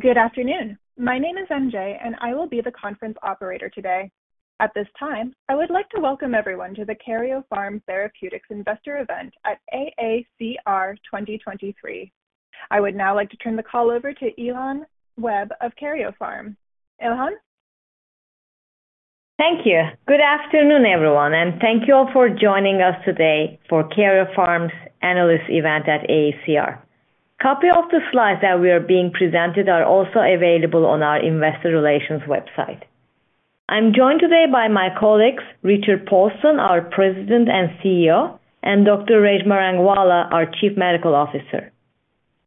Good afternoon. My name is MJ, and I will be the conference operator today. At this time, I would like to welcome everyone to the Karyopharm Therapeutics Investor Event at AACR 2023. I would now like to turn the call over to Elhan Webb of Karyopharm. Elhan? Thank you. Good afternoon, everyone, and thank you all for joining us today for Karyopharm's Analyst Event at AACR. Copy of the slides that we are being presented are also available on our investor relations website. I'm joined today by my colleagues, Richard Paulson, our President and CEO, and Dr. Reshma Rangwala, our Chief Medical Officer.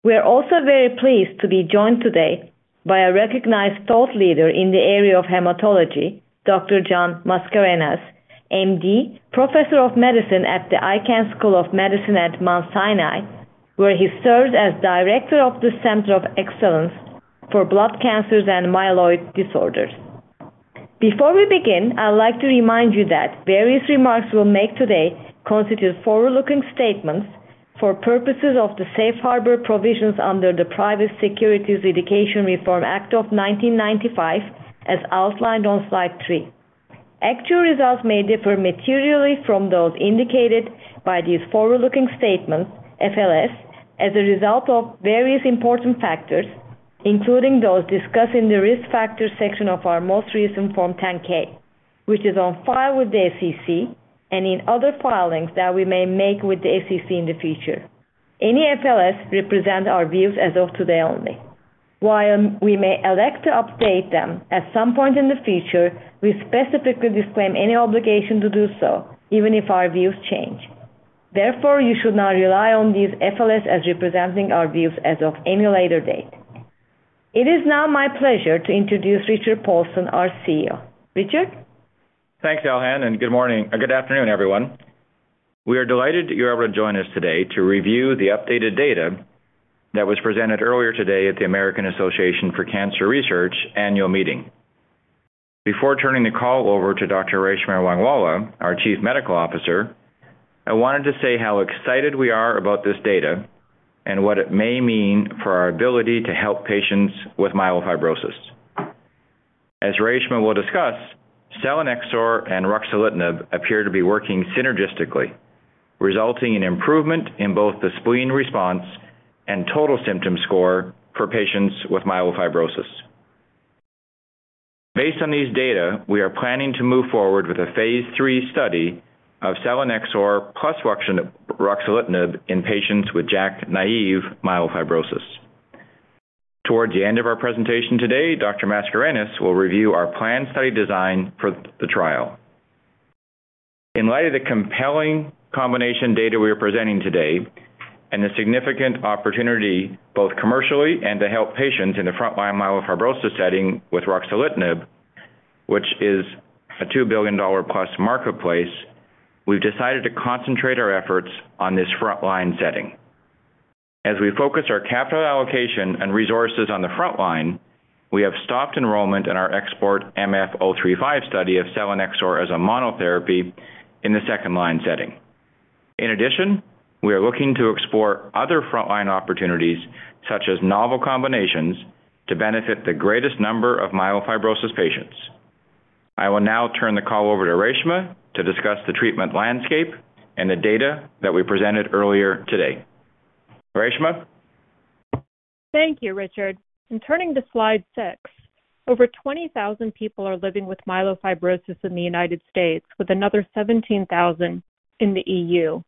We are also very pleased to be joined today by a recognized thought leader in the area of hematology, Dr. John Mascarenhas, M.D., Professor of Medicine at the Icahn School of Medicine at Mount Sinai, where he serves as Director of the Center of Excellence for Blood Cancers and Myeloid Disorders. Before we begin, I would like to remind you that various remarks we'll make today constitute forward-looking statements for purposes of the safe harbor provisions under the Private Securities Litigation Reform Act of 1995, as outlined on slide three. Actual results may differ materially from those indicated by these forward-looking statements, FLS, as a result of various important factors, including those discussed in the Risk Factors section of our most recent Form 10-K, which is on file with the SEC and in other filings that we may make with the SEC in the future. Any FLS represent our views as of today only. While we may elect to update them at some point in the future, we specifically disclaim any obligation to do so, even if our views change. Therefore, you should not rely on these FLS as representing our views as of any later date. It is now my pleasure to introduce Richard Paulson, our CEO. Richard? Thanks, Elhan, good morning. Good afternoon, everyone. We are delighted that you're able to join us today to review the updated data that was presented earlier today at the American Association for Cancer Research annual meeting. Before turning the call over to Dr. Reshma Rangwala, our Chief Medical Officer, I wanted to say how excited we are about this data and what it may mean for our ability to help patients with myelofibrosis. As Reshma will discuss, selinexor and ruxolitinib appear to be working synergistically, resulting in improvement in both the spleen response and total symptom score for patients with myelofibrosis. Based on these data, we are planning to move forward with a Phase III study of selinexor plus ruxolitinib in patients with JAK-naïve myelofibrosis. Towards the end of our presentation today, Dr. Mascarenhas will review our planned study design for the trial. In light of the compelling combination data we are presenting today and the significant opportunity both commercially and to help patients in the frontline myelofibrosis setting with ruxolitinib, which is a $2 billion-plus marketplace, we've decided to concentrate our efforts on this frontline setting. As we focus our capital allocation and resources on the frontline, we have stopped enrollment in our XPORT-MF-035 study of selinexor as a monotherapy in the second-line setting. In addition, we are looking to explore other frontline opportunities, such as novel combinations, to benefit the greatest number of myelofibrosis patients. I will now turn the call over to Reshma to discuss the treatment landscape and the data that we presented earlier today. Reshma? Thank you, Richard. In turning to slide 6, over 20,000 people are living with myelofibrosis in the United States, with another 17,000 in the EU.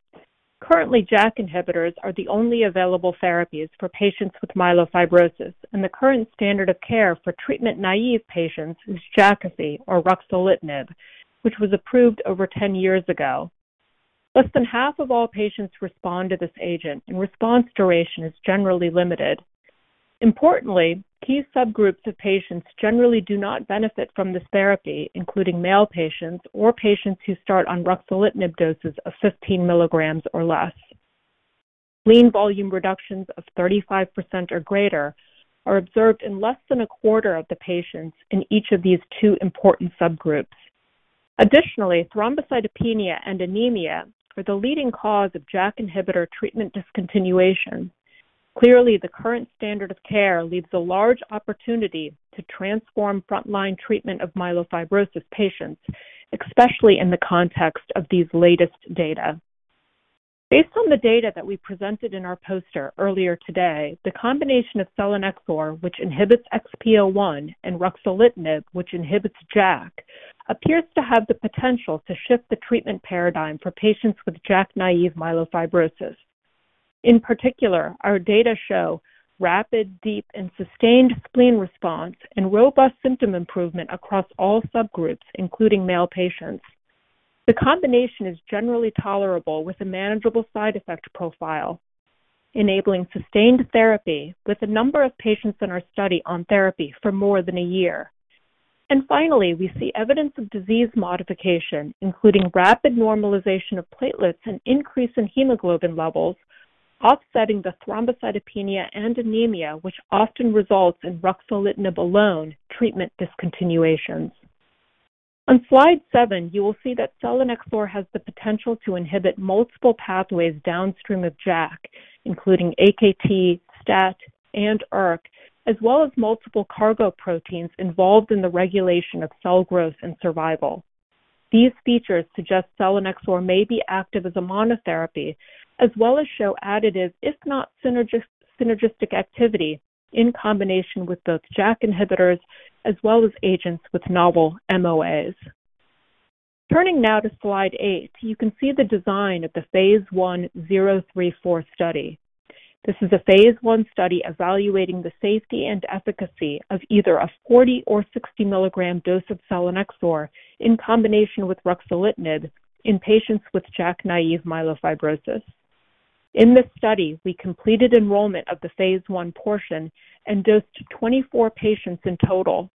Currently, JAK inhibitors are the only available therapies for patients with myelofibrosis. The current standard of care for treatment-naive patients is Jakafi or ruxolitinib, which was approved over 10 years ago. Less than half of all patients respond to this agent. Response duration is generally limited. Importantly, key subgroups of patients generally do not benefit from this therapy, including male patients or patients who start on ruxolitinib doses of 15 milligrams or less. Spleen volume reductions of 35% or greater are observed in less than a quarter of the patients in each of these two important subgroups. Additionally, thrombocytopenia and anemia are the leading cause of JAK inhibitor treatment discontinuation. Clearly, the current standard of care leaves a large opportunity to transform frontline treatment of myelofibrosis patients, especially in the context of these latest data. Based on the data that we presented in our poster earlier today, the combination of selinexor, which inhibits XPO1, and ruxolitinib, which inhibits JAK, appears to have the potential to shift the treatment paradigm for patients with JAK-naive myelofibrosis. In particular, our data show rapid, deep, and sustained spleen response and robust symptom improvement across all subgroups, including male patients. The combination is generally tolerable with a manageable side effect profile, enabling sustained therapy with the number of patients in our study on therapy for more than a year. Finally, we see evidence of disease modification, including rapid normalization of platelets and increase in hemoglobin levels, offsetting the thrombocytopenia and anemia, which often results in ruxolitinib alone treatment discontinuations. On slide seven, you will see that selinexor has the potential to inhibit multiple pathways downstream of JAK, including AKT, STAT, and ERK, as well as multiple cargo proteins involved in the regulation of cell growth and survival. These features suggest selinexor may be active as a monotherapy as well as show additives if not synergistic activity in combination with both JAK inhibitors as well as agents with novel MOAs. Turning now to slide eight, you can see the design of the Phase I 034 Study. This is a Phase I study evaluating the safety and efficacy of either a 40 or 60 milligram dose of selinexor in combination with ruxolitinib in patients with JAK-naive myelofibrosis. In this study, we completed enrollment of the Phase I portion and dosed 24 patients in total.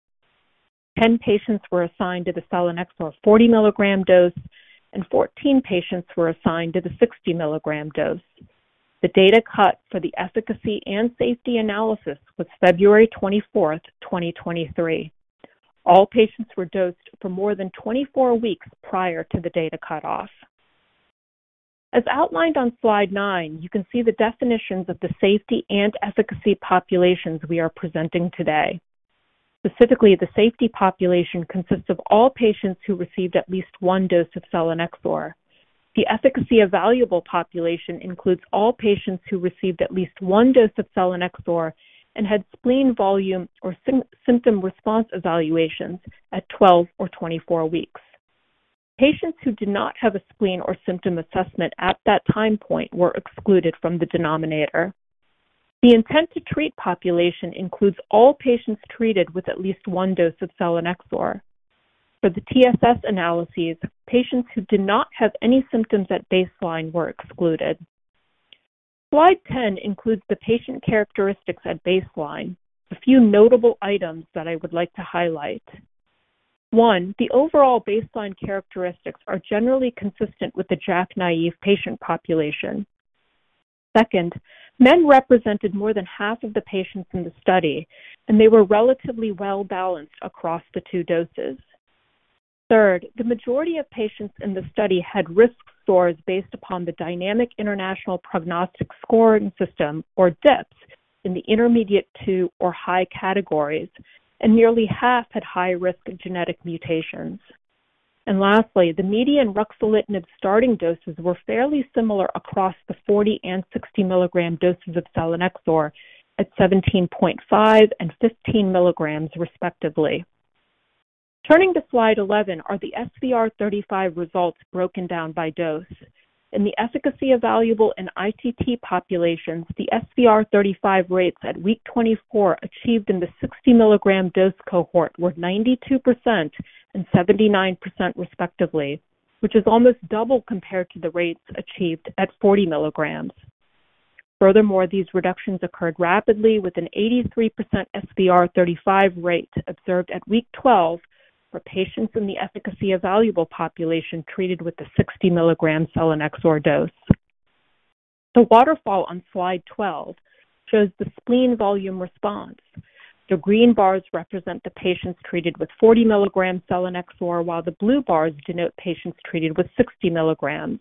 10 patients were assigned to the selinexor 40 milligram dose, and 14 patients were assigned to the 60 milligram dose. The data cut for the efficacy and safety analysis was February 24th, 2023. All patients were dosed for more than 24 weeks prior to the data cutoff. As outlined on slide nine, you can see the definitions of the safety and efficacy populations we are presenting today. Specifically, the safety population consists of all patients who received at least one dose of selinexor. The efficacy evaluable population includes all patients who received at least one dose of selinexor and had spleen volume or symptom response evaluations at 12 or 24 weeks. Patients who did not have a spleen or symptom assessment at that time point were excluded from the denominator. The intent to treat population includes all patients treated with at least one dose of selinexor. For the TSS analyses, patients who did not have any symptoms at baseline were excluded. Slide 10 includes the patient characteristics at baseline. A few notable items that I would like to highlight. One, the overall baseline characteristics are generally consistent with the JAK-naïve patient population. Second, men represented more than half of the patients in the study, and they were relatively well-balanced across the two doses. Third, the majority of patients in the study had risk scores based upon the Dynamic International Prognostic Scoring System, or DIPSS, in the intermediate two or high categories, and nearly half had high risk of genetic mutations. Lastly, the median ruxolitinib starting doses were fairly similar across the 40 and 60 milligram doses of selinexor at 17.5 and 15 milligrams respectively. Turning to slide 11 are the SVR35 results broken down by dose. In the efficacy evaluable and ITT populations, the SVR35 rates at week 24 achieved in the 60 mg dose cohort were 92% and 79% respectively, which is almost double compared to the rates achieved at 40 mg. These reductions occurred rapidly with an 83% SVR35 rate observed at week 12 for patients in the efficacy evaluable population treated with the 60 mg selinexor dose. The waterfall on slide 12 shows the spleen volume response. The green bars represent the patients treated with 40 mg selinexor, while the blue bars denote patients treated with 60 mg.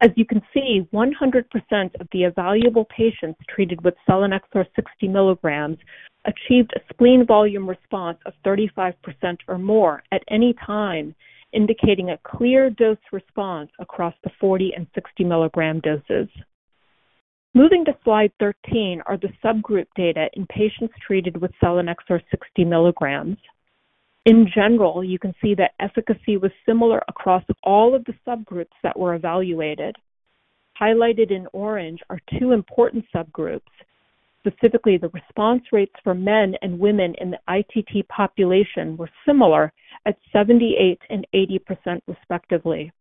As you can see, 100% of the evaluable patients treated with selinexor 60 mg achieved a spleen volume response of 35% or more at any time, indicating a clear dose response across the 40 and 60 mg doses. Moving to slide 13 are the subgroup data in patients treated with selinexor 60 mg. In general, you can see that efficacy was similar across all of the subgroups that were evaluated. Highlighted in orange are two important subgroups. Specifically, the response rates for men and women in the ITT population were similar at 78% and 80% respectively.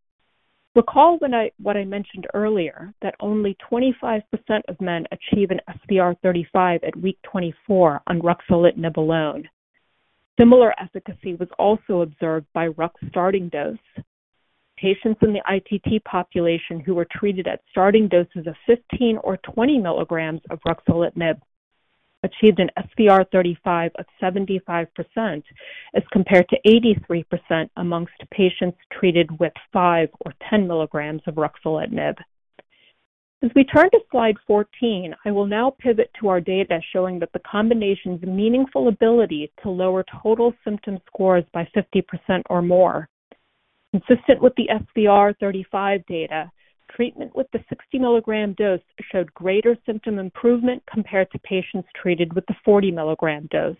Recall what I mentioned earlier that only 25% of men achieve an SVR35 at week 24 on ruxolitinib alone. Similar efficacy was also observed by Rux starting dose. Patients in the ITT population who were treated at starting doses of 15 or 20 milligrams of ruxolitinib achieved an SVR35 of 75% as compared to 83% amongst patients treated with five or 10 milligrams of ruxolitinib. As we turn to slide 14, I will now pivot to our data showing that the combination's meaningful ability to lower total symptom scores by 50% or more. Consistent with the SVR35 data, treatment with the 60 milligram dose showed greater symptom improvement compared to patients treated with the 40 milligram dose.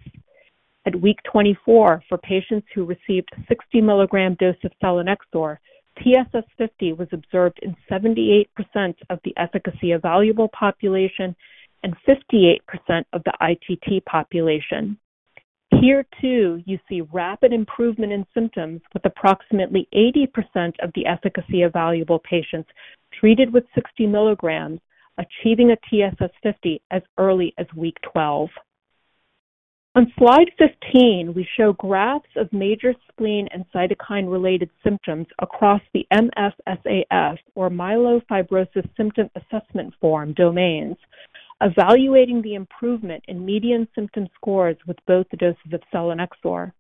At week 24, for patients who received 60 milligram dose of selinexor, TSS50 was observed in 78% of the efficacy evaluable population and 58% of the ITT population. Here, too, you see rapid improvement in symptoms with approximately 80% of the efficacy evaluable patients treated with 60 milligrams achieving a TSS50 as early as week 12. On slide 15, we show graphs of major spleen and cytokine-related symptoms across the MFSAF or Myelofibrosis Symptom Assessment Form domains, evaluating the improvement in median symptom scores with both the doses of selinexor.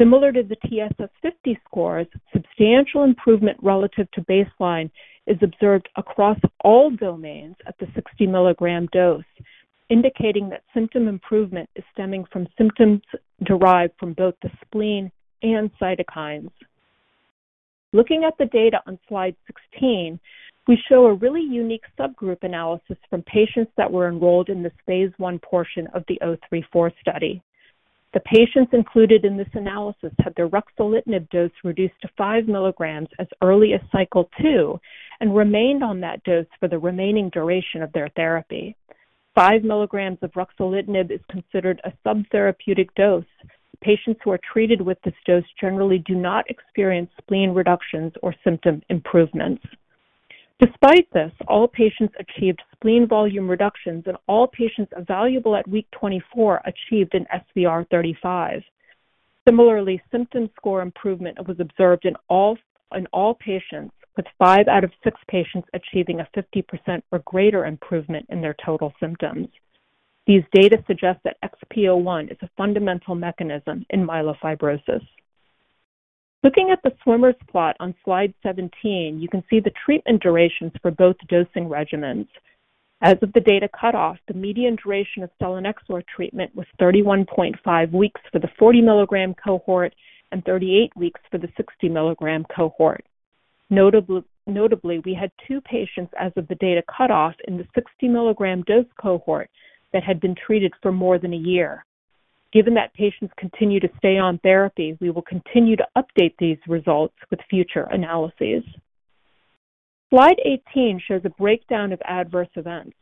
Similar to the TSS50 scores, substantial improvement relative to baseline is observed across all domains at the 60 milligram dose, indicating that symptom improvement is stemming from symptoms derived from both the spleen and cytokines. Looking at the data on slide 16, we show a really unique subgroup analysis from patients that were enrolled in this Phase I portion of the O34 study. The patients included in this analysis had their ruxolitinib dose reduced to fivemilligrams as early as Cycle 2 and remained on that dose for the remaining duration of their therapy. 5 milligrams of ruxolitinib is considered a subtherapeutic dose. Patients who are treated with this dose generally do not experience spleen reductions or symptom improvements. Despite this, all patients achieved spleen volume reductions and all patients evaluable at week 24 achieved an SVR35. Similarly, symptom score improvement was observed in all patients with five out of six patients achieving a 50% or greater improvement in their total symptoms. These data suggest that XPO1 is a fundamental mechanism in myelofibrosis. Looking at the swimmer's plot on slide 17, you can see the treatment durations for both dosing regimens. As of the data cutoff, the median duration of selinexor treatment was 31.5 weeks for the 40 milligram cohort and 38 weeks for the 60 milligram cohort. Notably, we had two patients as of the data cutoff in the 60 milligram dose cohort that had been treated for more than one year. Given that patients continue to stay on therapy, we will continue to update these results with future analyses. Slide 18 shows a breakdown of adverse events.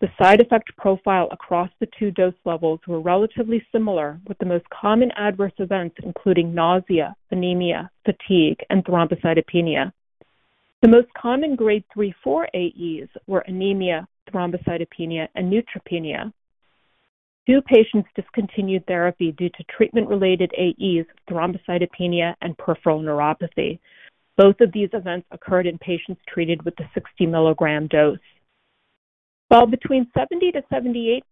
The side effect profile across the two dose levels were relatively similar, with the most common adverse events including nausea, anemia, fatigue, and thrombocytopenia. The most common Grade 3-4 AEs were anemia, thrombocytopenia, and neutropenia. Two patients discontinued therapy due to treatment-related AEs, thrombocytopenia and peripheral neuropathy. Both of these events occurred in patients treated with the 60 milligram dose. While between 70%-78%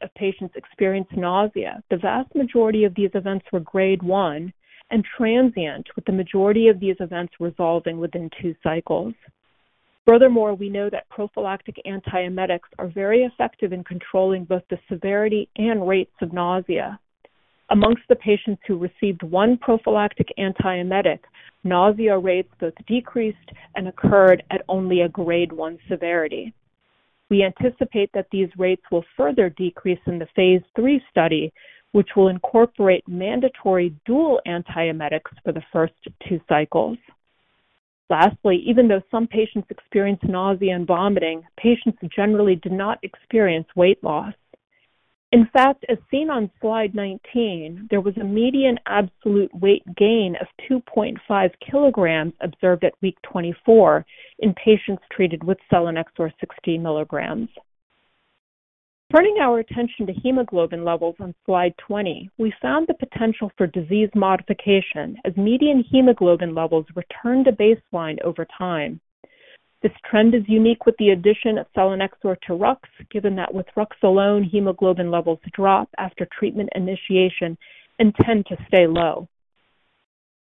of patients experienced nausea, the vast majority of these events were Grade 1 and transient, with the majority of these events resolving within two cycles. Furthermore, we know that prophylactic antiemetics are very effective in controlling both the severity and rates of nausea. Amongst the patients who received one prophylactic antiemetic, nausea rates both decreased and occurred at only a Grade 1 severity. We anticipate that these rates will further decrease in the Phase III study, which will incorporate mandatory dual antiemetics for the first two cycles. Lastly, even though some patients experienced nausea and vomiting, patients generally did not experience weight loss. In fact, as seen on slide 19, there was a median absolute weight gain of 2.5 kilograms observed at week 24 in patients treated with selinexor 60 milligrams. Turning our attention to hemoglobin levels on slide 20, we found the potential for disease modification as median hemoglobin levels returned to baseline over time. This trend is unique with the addition of selinexor to Rux, given that with Rux alone, hemoglobin levels drop after treatment initiation and tend to stay low.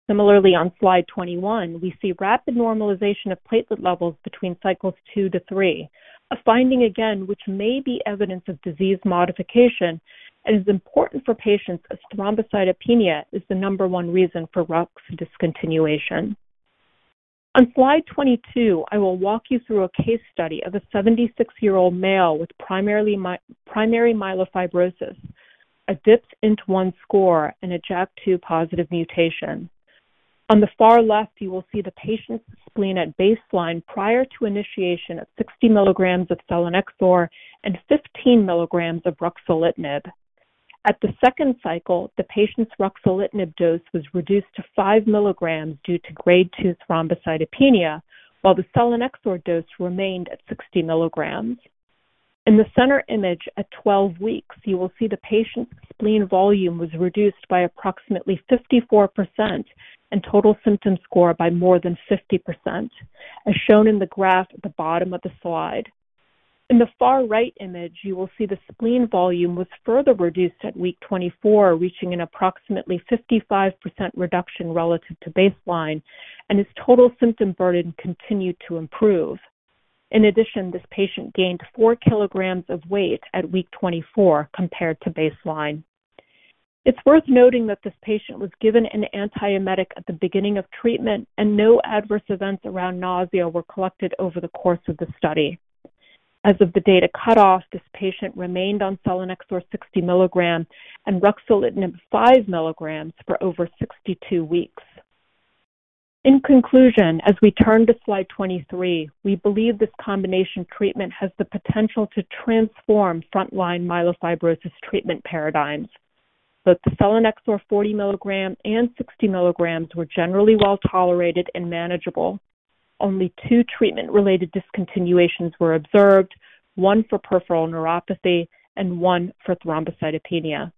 On slide 21, we see rapid normalization of platelet levels between Cycles 2 to 3. A finding, again, which may be evidence of disease modification and is important for patients as thrombocytopenia is the number one reason for Rux discontinuation. On slide 22, I will walk you through a case study of a 76-year-old male with primary myelofibrosis, a DIPSS intermediate-1 score, and a JAK2 positive mutation. On the far left, you will see the patient's spleen at baseline prior to initiation of 60 milligrams of selinexor and 15 milligrams of ruxolitinib. At the second cycle, the patient's ruxolitinib dose was reduced to 5 milligrams due to grade two thrombocytopenia, while the selinexor dose remained at 60 milligrams. In the center image at 12 weeks, you will see the patient's spleen volume was reduced by approximately 54% and total symptom score by more than 50%, as shown in the graph at the bottom of the slide. In the far right image, you will see the spleen volume was further reduced at week 24, reaching an approximately 55% reduction relative to baseline, and his total symptom burden continued to improve. This patient gained four kilograms of weight at week 24 compared to baseline. It's worth noting that this patient was given an antiemetic at the beginning of treatment and no adverse events around nausea were collected over the course of the study. As of the data cutoff, this patient remained on selinexor 60 mg and ruxolitinib 5 mg for over 62 weeks. In conclusion, as we turn to slide 23, we believe this combination treatment has the potential to transform frontline myelofibrosis treatment paradigms. Both the selinexor 40 mg and 60 mg were generally well-tolerated and manageable. Only two treatment-related discontinuations were observed, one for peripheral neuropathy and 1 for thrombocytopenia.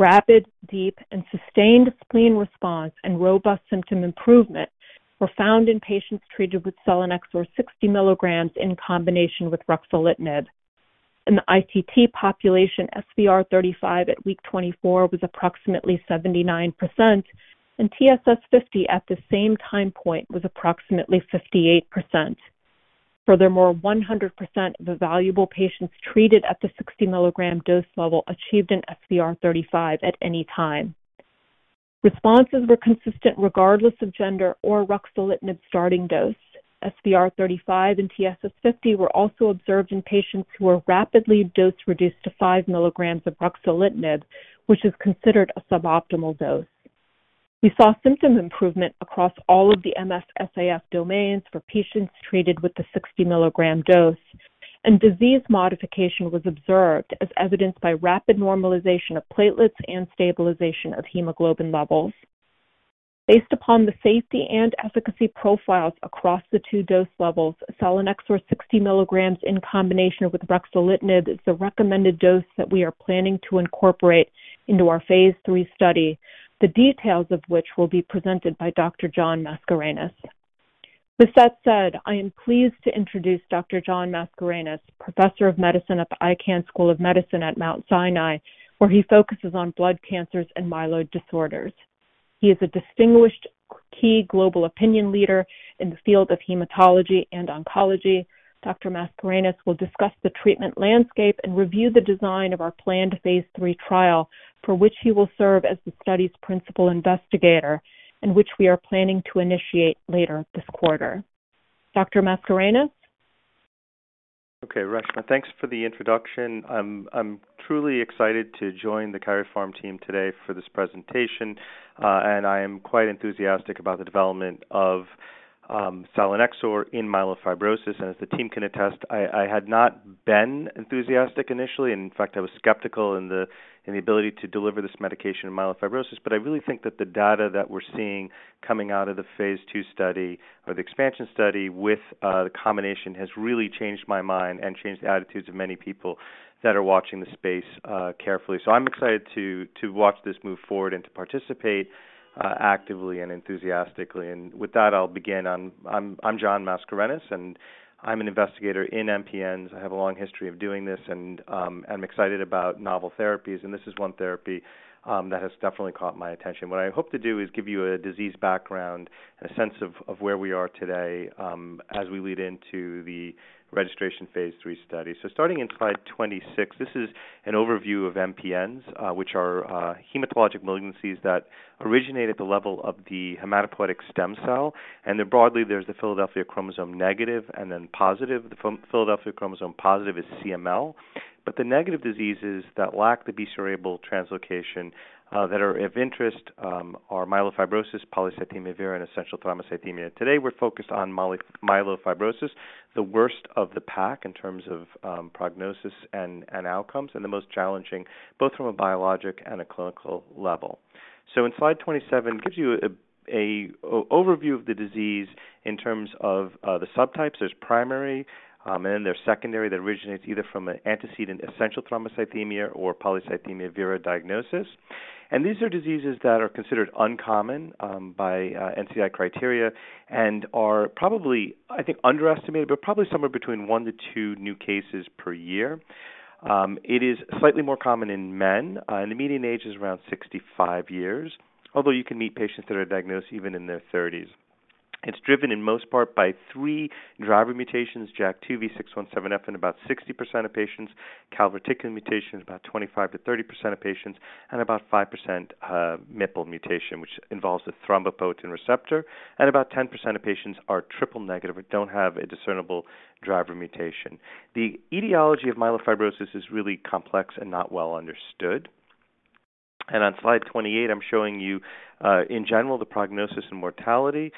Rapid, deep, and sustained spleen response and robust symptom improvement were found in patients treated with selinexor 60 mg in combination with ruxolitinib. In the ITT population, SVR35 at week 24 was approximately 79% and TSS50 at the same time point was approximately 58%. Furthermore, 100% of evaluable patients treated at the 60 mg dose level achieved an SVR35 at any time. Responses were consistent regardless of gender or ruxolitinib starting dose. SVR35 and TSS50 were also observed in patients who were rapidly dose-reduced to 5 milligrams of ruxolitinib, which is considered a suboptimal dose. We saw symptom improvement across all of the MFSAF domains for patients treated with the 60 milligram dose. Disease modification was observed as evidenced by rapid normalization of platelets and stabilization of hemoglobin levels. Based upon the safety and efficacy profiles across the two dose levels, selinexor 60 milligrams in combination with ruxolitinib is the recommended dose that we are planning to incorporate into our Phase III study, the details of which will be presented by Dr. John Mascarenhas. With that said, I am pleased to introduce Dr. John Mascarenhas, Professor of Medicine at the Icahn School of Medicine at Mount Sinai, where he focuses on blood cancers and myeloid disorders. He is a distinguished key global opinion leader in the field of hematology and oncology. Dr. Mascarenhas will discuss the treatment landscape and review the design of our planned Phase III trial, for which he will serve as the study's Principal Investigator and which we are planning to initiate later this quarter. Dr. Mascarenhas? Okay, Reshma, thanks for the introduction. I'm truly excited to join the Karyopharm team today for this presentation, and I am quite enthusiastic about the development of selinexor in myelofibrosis. As the team can attest, I had not been enthusiastic initially. In fact, I was skeptical in the ability to deliver this medication in myelofibrosis. I really think that the data that we're seeing coming out of the Phase II study or the expansion study with the combination has really changed my mind and changed the attitudes of many people that are watching the space carefully. I'm excited to watch this move forward and to participate actively and enthusiastically. With that, I'll begin. I'm John Mascarenhas, and I'm an investigator in MPNs. I have a long history of doing this, and I'm excited about novel therapies, and this is one therapy that has definitely caught my attention. What I hope to do is give you a disease background and a sense of where we are today as we lead into the registration Phase III study. Starting in slide 26, this is an overview of MPNs, which are hematologic malignancies that originate at the level of the hematopoietic stem cell. Then broadly, there's the Philadelphia chromosome negative and then positive. The Philadelphia chromosome positive is CML. The negative diseases that lack the BCL-2 translocation that are of interest are myelofibrosis, polycythemia vera, and essential thrombocythemia. Today, we're focused on myelofibrosis, the worst of the pack in terms of prognosis and outcomes, and the most challenging both from a biologic and a clinical level. In slide 27, it gives you a overview of the disease in terms of the subtypes. There's primary, and then there's secondary that originates either from an antecedent essential thrombocythemia or polycythemia vera diagnosis. These are diseases that are considered uncommon by NCI criteria and are probably, I think, underestimated, but probably somewhere between one to two new cases per year. It is slightly more common in men. The median age is around 65 years, although you can meet patients that are diagnosed even in their 30s. It's driven in most part by three driver mutations, JAK2, V617F in about 60% of patients, calreticulin mutation in about 25%-30% of patients, and about 5%, MPL mutation, which involves a thrombopoietin receptor, and about 10% of patients are triple negative or don't have a discernible driver mutation. The etiology of myelofibrosis is really complex and not well understood. On slide 28, I'm showing you, in general, the prognosis and mortality.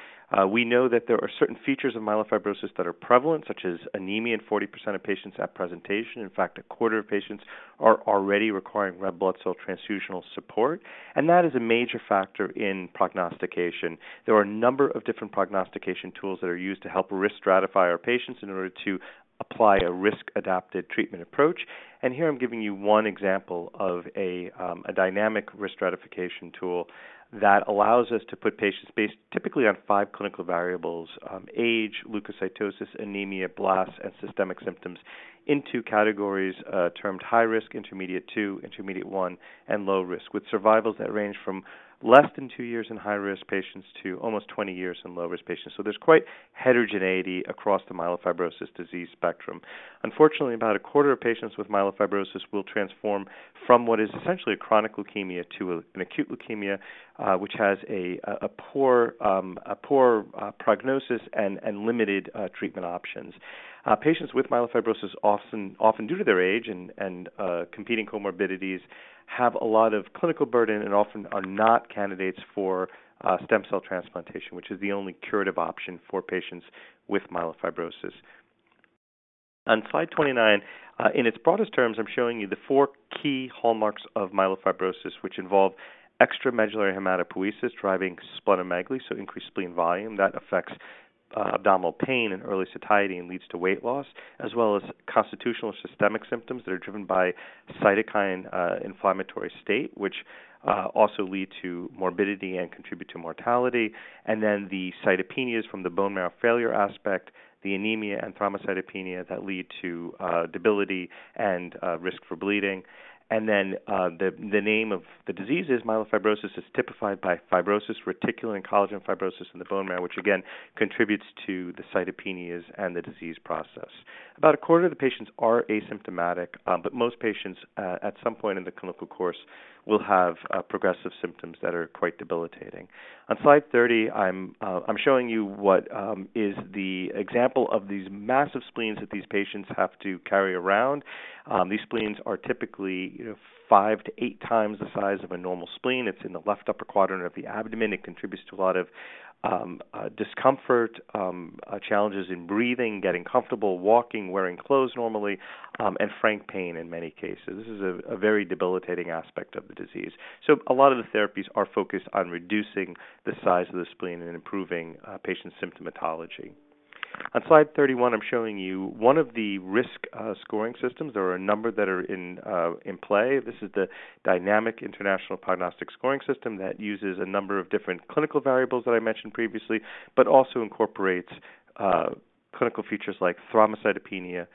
We know that there are certain features of myelofibrosis that are prevalent, such as anemia in 40% of patients at presentation. In fact, a quarter of patients are already requiring red blood cell transfusional support, and that is a major factor in prognostication. There are a number of different prognostication tools that are used to help risk stratify our patients in order to apply a risk-adapted treatment approach. Here I'm giving you one example of a dynamic risk stratification tool that allows us to put patients based typically on five clinical variables, age, leukocytosis, anemia, blasts, and systemic symptoms into categories termed high risk, intermediate 2, intermediate 1, and low risk, with survivals that range from less than two years in high-risk patients to almost 20 years in low-risk patients. There's quite heterogeneity across the myelofibrosis disease spectrum. Unfortunately, about a quarter of patients with myelofibrosis will transform from what is essentially a chronic leukemia to an acute leukemia, which has a poor prognosis and limited treatment options. Patients with myelofibrosis often due to their age and competing comorbidities, have a lot of clinical burden and often are not candidates for stem cell transplantation, which is the only curative option for patients with myelofibrosis. On slide 29, in its broadest terms, I'm showing you the four key hallmarks of myelofibrosis, which involve extramedullary hematopoiesis, driving splenomegaly, so increased spleen volume. That affects abdominal pain and early satiety and leads to weight loss, as well as constitutional or systemic symptoms that are driven by cytokine inflammatory state, which also lead to morbidity and contribute to mortality. The cytopenias from the bone marrow failure aspect, the anemia and thrombocytopenia that lead to debility and risk for bleeding. The name of the disease is myelofibrosis is typified by fibrosis, reticulin and collagen fibrosis in the bone marrow, which again contributes to the cytopenias and the disease process. About a quarter of the patients are asymptomatic, most patients at some point in the clinical course will have progressive symptoms that are quite debilitating. On slide 30, I'm showing you what is the example of these massive spleens that these patients have to carry around. These spleens are typically, you know, 5 to 8 times the size of a normal spleen. It's in the left upper quadrant of the abdomen. It contributes to a lot of discomfort, challenges in breathing, getting comfortable walking, wearing clothes normally, and frank pain in many cases. This is a very debilitating aspect of the disease. A lot of the therapies are focused on reducing the size of the spleen and improving patient symptomatology. On slide 31, I'm showing you one of the risk scoring systems. There are a number that are in play. This is the Dynamic International Prognostic Scoring System that uses a number of different clinical variables that I mentioned previously, but also incorporates clinical features like thrombocytopenia,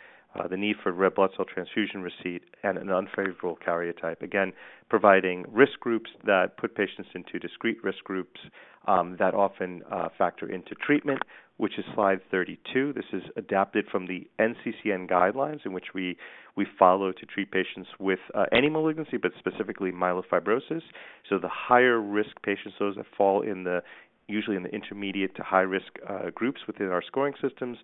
the need for red blood cell transfusion receipt, and an unfavorable karyotype. Again, providing risk groups that put patients into discrete risk groups that often factor into treatment, which is slide 32. This is adapted from the NCCN guidelines in which we follow to treat patients with any malignancy, but specifically myelofibrosis. The higher risk patients, those that fall in the usually in the intermediate to high risk groups within our scoring systems,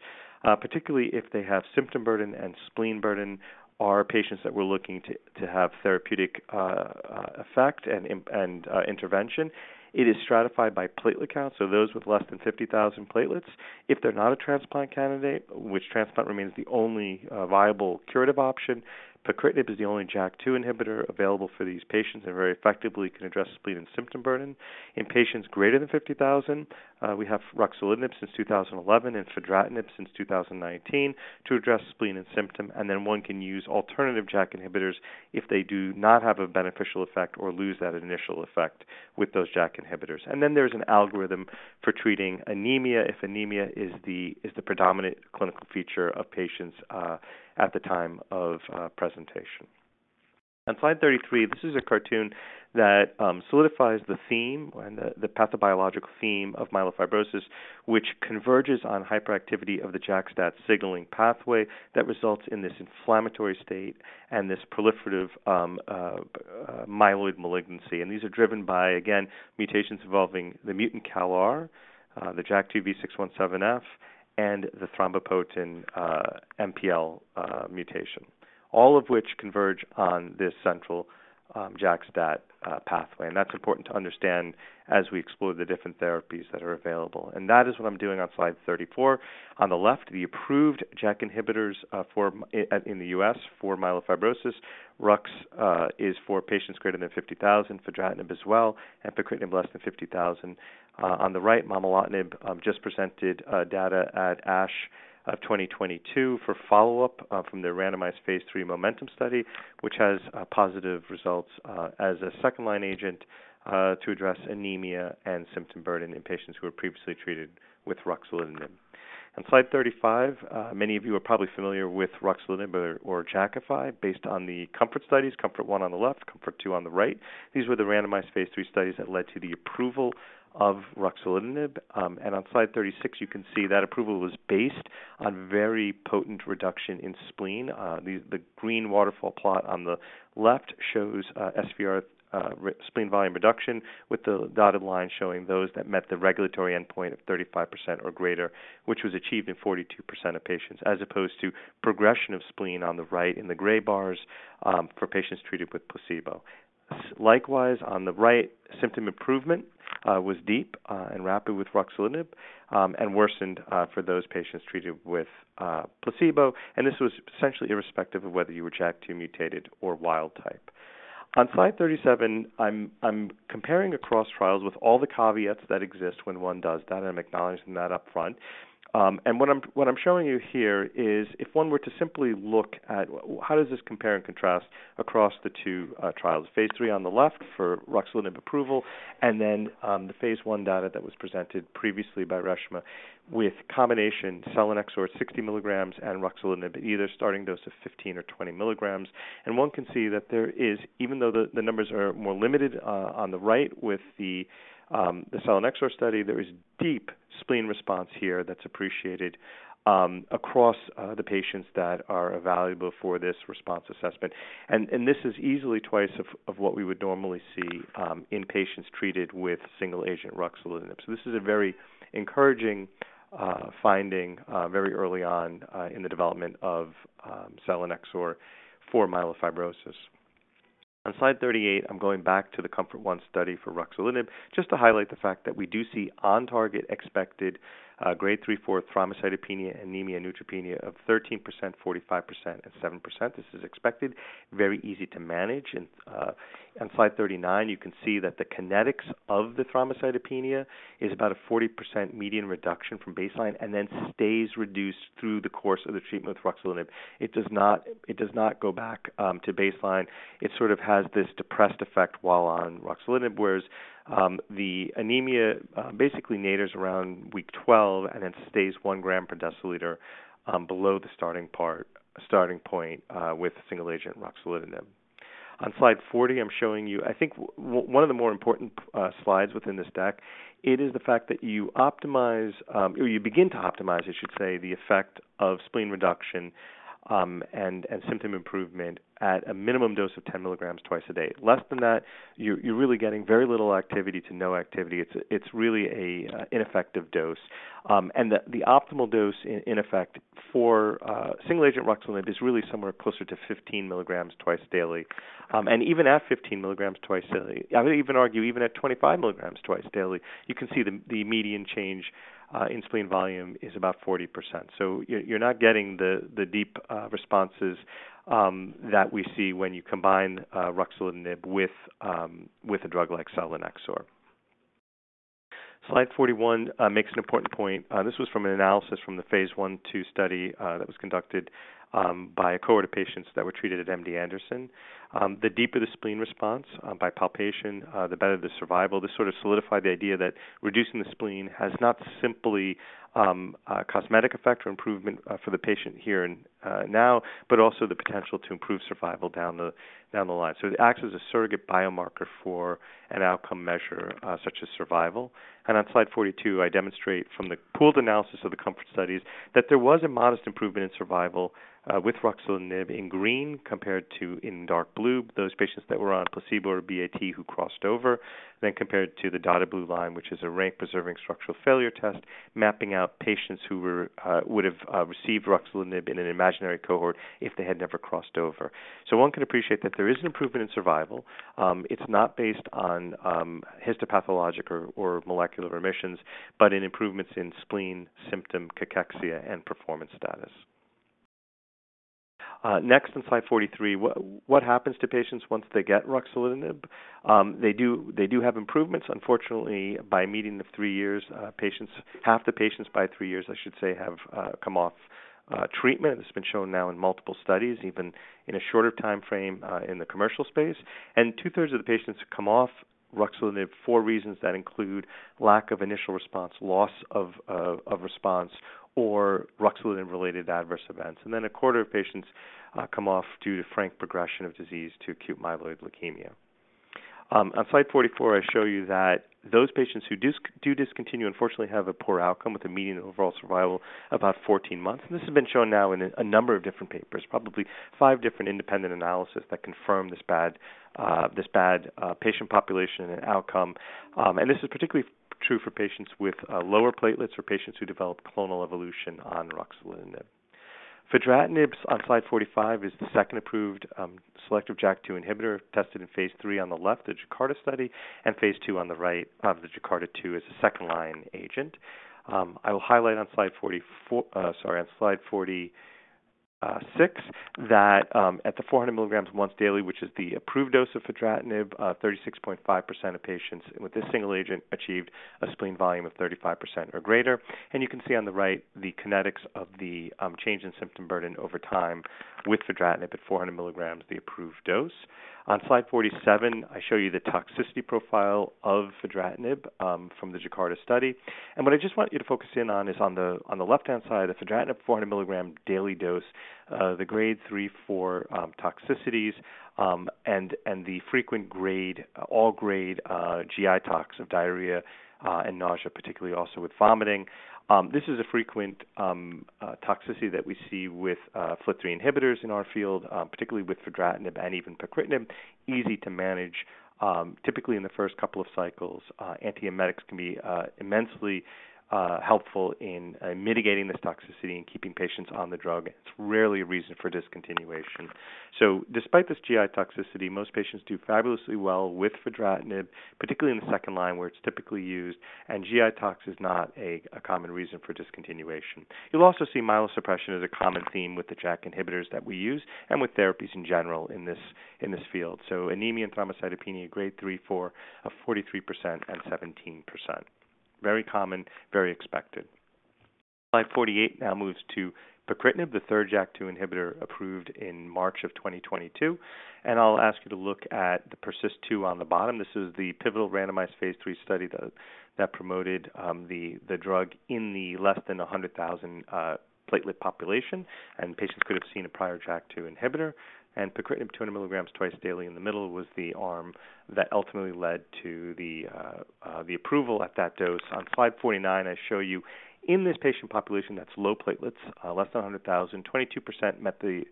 particularly if they have symptom burden and spleen burden, are patients that we're looking to have therapeutic effect and intervention. It is stratified by platelet count, so those with less than 50,000 platelets. If they're not a transplant candidate, which transplant remains the only viable curative option. pacritinib is the only JAK2 inhibitor available for these patients and very effectively can address spleen and symptom burden. In patients greater than 50,000, we have ruxolitinib since 2011 and fedratinib since 2019 to address spleen and symptom, and then one can use alternative JAK inhibitors if they do not have a beneficial effect or lose that initial effect with those JAK inhibitors. There's an algorithm for treating anemia if anemia is the predominant clinical feature of patients at the time of presentation. On slide 33, this is a cartoon that solidifies the theme and the pathobiological theme of myelofibrosis, which converges on hyperactivity of the JAK-STAT signaling pathway that results in this inflammatory state and this proliferative myeloid malignancy. These are driven by, again, mutations involving the mutant CALR, the JAK2 V617F, and the thrombopoietin MPL mutation, all of which converge on this central JAK-STAT pathway. That's important to understand as we explore the different therapies that are available. That is what I'm doing on slide 34. On the left, the approved JAK inhibitors for in the U.S. for myelofibrosis. Rux is for patients greater than 50,000, fedratinib as well, and pacritinib less than 50,000. On the right, momelotinib just presented data at ASH of 2022 for follow-up from their randomized Phase III MOMENTUM study, which has positive results as a second-line agent to address anemia and symptom burden in patients who were previously treated with ruxolitinib. On slide 35, many of you are probably familiar with ruxolitinib or Jakafi based on the COMFORT studies, COMFORT-I on the left, COMFORT-II on the right. These were the randomized Phase III studies that led to the approval of ruxolitinib. On slide 36, you can see that approval was based on very potent reduction in spleen. The, the green waterfall plot on the left shows SVR spleen volume reduction with the dotted line showing those that met the regulatory endpoint of 35% or greater, which was achieved in 42% of patients, as opposed to progression of spleen on the right in the gray bars, for patients treated with placebo. Likewise, on the right, symptom improvement was deep and rapid with ruxolitinib, and worsened for those patients treated with placebo, and this was essentially irrespective of whether you were JAK2 mutated or wild type. On slide 37, I'm comparing across trials with all the caveats that exist when one does that. I'm acknowledging that up front. What I'm, what I'm showing you here is if one were to simply look at how does this compare and contrast across the two trials, Phase III on the left for ruxolitinib approval, then the Phase I data that was presented previously by Reshma with combination selinexor 60 milligrams and ruxolitinib, either starting dose of 15 or 20 milligrams. One can see that there is even though the numbers are more limited on the right with the selinexor study, there is deep spleen response here that's appreciated across the patients that are evaluable for this response assessment. This is easily twice of what we would normally see in patients treated with single agent ruxolitinib. This is a very encouraging finding very early on in the development of selinexor for myelofibrosis. On slide 38, I'm going back to the COMFORT-I study for ruxolitinib just to highlight the fact that we do see on-target expected grade 3/4 thrombocytopenia, anemia, neutropenia of 13%, 45%, and 7%. This is expected, very easy to manage. On slide 39, you can see that the kinetics of the thrombocytopenia is about a 40% median reduction from baseline and then stays reduced through the course of the treatment with ruxolitinib. It does not go back to baseline. It sort of has this depressed effect while on ruxolitinib, whereas the anemia basically natters around week 12 and then stays 1 gram per deciliter below the starting point with single-agent ruxolitinib. On slide 40, I'm showing you one of the more important slides within this deck, it is the fact that you optimize, or you begin to optimize, I should say, the effect of spleen reduction, and symptom improvement at a minimum dose of 10 milligrams twice a day. Less than that, you're really getting very little activity to no activity. It's really a ineffective dose. The optimal dose in effect for single-agent ruxolitinib is really somewhere closer to 15 milligrams twice daily. Even at 15 milligrams twice daily, I would even argue even at 25 milligrams twice daily, you can see the median change in spleen volume is about 40%. You're not getting the deep responses that we see when you combine ruxolitinib with a drug like selinexor. Slide 41 makes an important point. This was from an analysis from the Phase I/II study that was conducted by a cohort of patients that were treated at MD Anderson. The deeper the spleen response by palpation, the better the survival. This sort of solidified the idea that reducing the spleen has not simply a cosmetic effect or improvement for the patient here and now, but also the potential to improve survival down the line. It acts as a surrogate biomarker for an outcome measure, such as survival. On slide 42, I demonstrate from the pooled analysis of the COMFORT studies that there was a modest improvement in survival with ruxolitinib in green compared to in dark blue, those patients that were on placebo or BAT who crossed over, then compared to the dotted blue line, which is a rank-preserving structural failure test, mapping out patients who would've received ruxolitinib in an imaginary cohort if they had never crossed over. One can appreciate that there is an improvement in survival. It's not based on histopathologic or molecular remissions, but in improvements in spleen, symptom, cachexia, and performance status. Next on slide 43, what happens to patients once they get ruxolitinib? They do have improvements. Unfortunately, by meeting the three years, half the patients by three years, I should say, have come off treatment. It's been shown now in multiple studies, even in a shorter timeframe, in the commercial space. Two-thirds of the patients come off ruxolitinib for reasons that include lack of initial response, loss of response, or ruxolitinib-related adverse events. A quarter of patients come off due to frank progression of disease to acute myeloid leukemia. On slide 44, I show you that those patients who do discontinue unfortunately have a poor outcome with a median overall survival of about 14 months. This has been shown now in a number of different papers, probably five different independent analysis that confirm this bad, this bad patient population and outcome. This is particularly true for patients with lower platelets or patients who develop clonal evolution on ruxolitinib. Fedratinib on slide 45 is the second approved selective JAK2 inhibitor tested in Phase III on the left, the JAKARTA study, and Phase II on the right, the JAKARTA2, as a second-line agent. I will highlight on slide 44, sorry, on slide 46 that at the 400 milligrams once daily, which is the approved dose of fedratinib, 36.5% of patients with this single agent achieved a spleen volume of 35% or greater. You can see on the right the kinetics of the change in symptom burden over time with fedratinib at 400 milligrams, the approved dose. On slide 47, I show you the toxicity profile of fedratinib from the JAKARTA study. What I just want you to focus in on is on the left-hand side, a fedratinib 400 milligram daily dose, the Grade 3/4 toxicities, and the frequent grade, all grade, GI tox of diarrhea, and nausea, particularly also with vomiting. This is a frequent toxicity that we see with FLT3 inhibitors in our field, particularly with fedratinib and even pacritinib. Easy to manage, typically in the first couple of cycles. Antiemetics can be immensely helpful in mitigating this toxicity and keeping patients on the drug. It's rarely a reason for discontinuation. Despite this GI toxicity, most patients do fabulously well with fedratinib, particularly in the second line, where it's typically used, and GI tox is not a common reason for discontinuation. You'll also see myelosuppression is a common theme with the JAK inhibitors that we use and with therapies in general in this, in this field. Anemia and thrombocytopenia, grade 3/4 of 43% and 17%. Very common, very expected. Slide 48 now moves to pacritinib, the third JAK2 inhibitor approved in March 2022, and I'll ask you to look at the PERSIST-2 on the bottom. This is the pivotal randomized Phase III study that promoted the drug in the less than 100,000 platelet population, and patients could have seen a prior JAK2 inhibitor. Pacritinib 200 milligrams twice daily in the middle was the arm that ultimately led to the approval at that dose. On slide 49, I show you in this patient population that's low platelets, less than 100,000, 22% met the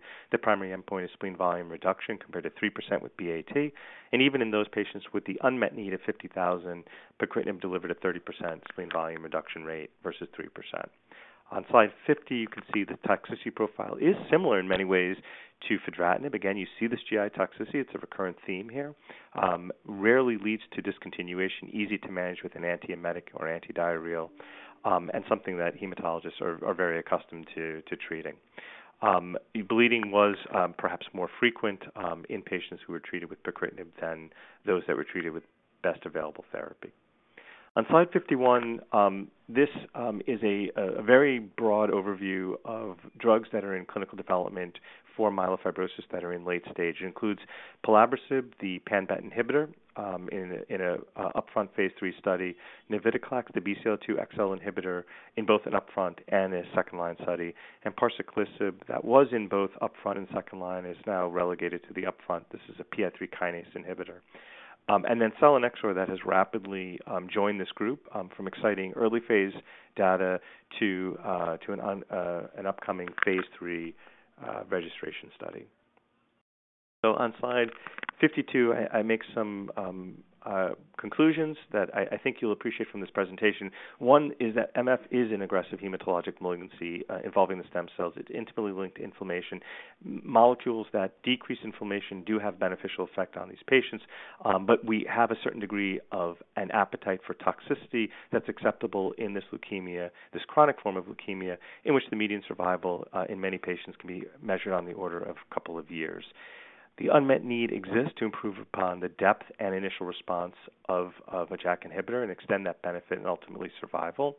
primary endpoint of spleen volume reduction compared to 3% with BAT. Even in those patients with the unmet need of 50,000, pacritinib delivered a 30% spleen volume reduction rate versus 3%. On slide 50, you can see the toxicity profile is similar in many ways to fedratinib. Again, you see this GI toxicity, it's a recurrent theme here. Rarely leads to discontinuation, easy to manage with an antiemetic or antidiarrheal, and something that hematologists are very accustomed to treating. Bleeding was perhaps more frequent in patients who were treated with pacritinib than those that were treated with best available therapy. On slide 51, this is a very broad overview of drugs that are in clinical development for myelofibrosis that are in late stage. It includes pelabresib, the pan-BET inhibitor, in an upfront Phase III study. Navitoclax, the BCL-2/BCL-XL inhibitor in both an upfront and a second-line study. Parsaclisib, that was in both upfront and second line, is now relegated to the upfront. This is a PI3K inhibitor. Selinexor that has rapidly joined this group from exciting early Phase data to an upcoming Phase III registration study. On slide 52, I make some conclusions that I think you'll appreciate from this presentation. One is that MF is an aggressive hematologic malignancy, involving the stem cells. It's intimately linked to inflammation. Molecules that decrease inflammation do have beneficial effect on these patients. We have a certain degree of an appetite for toxicity that's acceptable in this leukemia, this chronic form of leukemia, in which the median survival in many patients can be measured on the order of two years. The unmet need exists to improve upon the depth and initial response of a JAK inhibitor and extend that benefit and ultimately survival.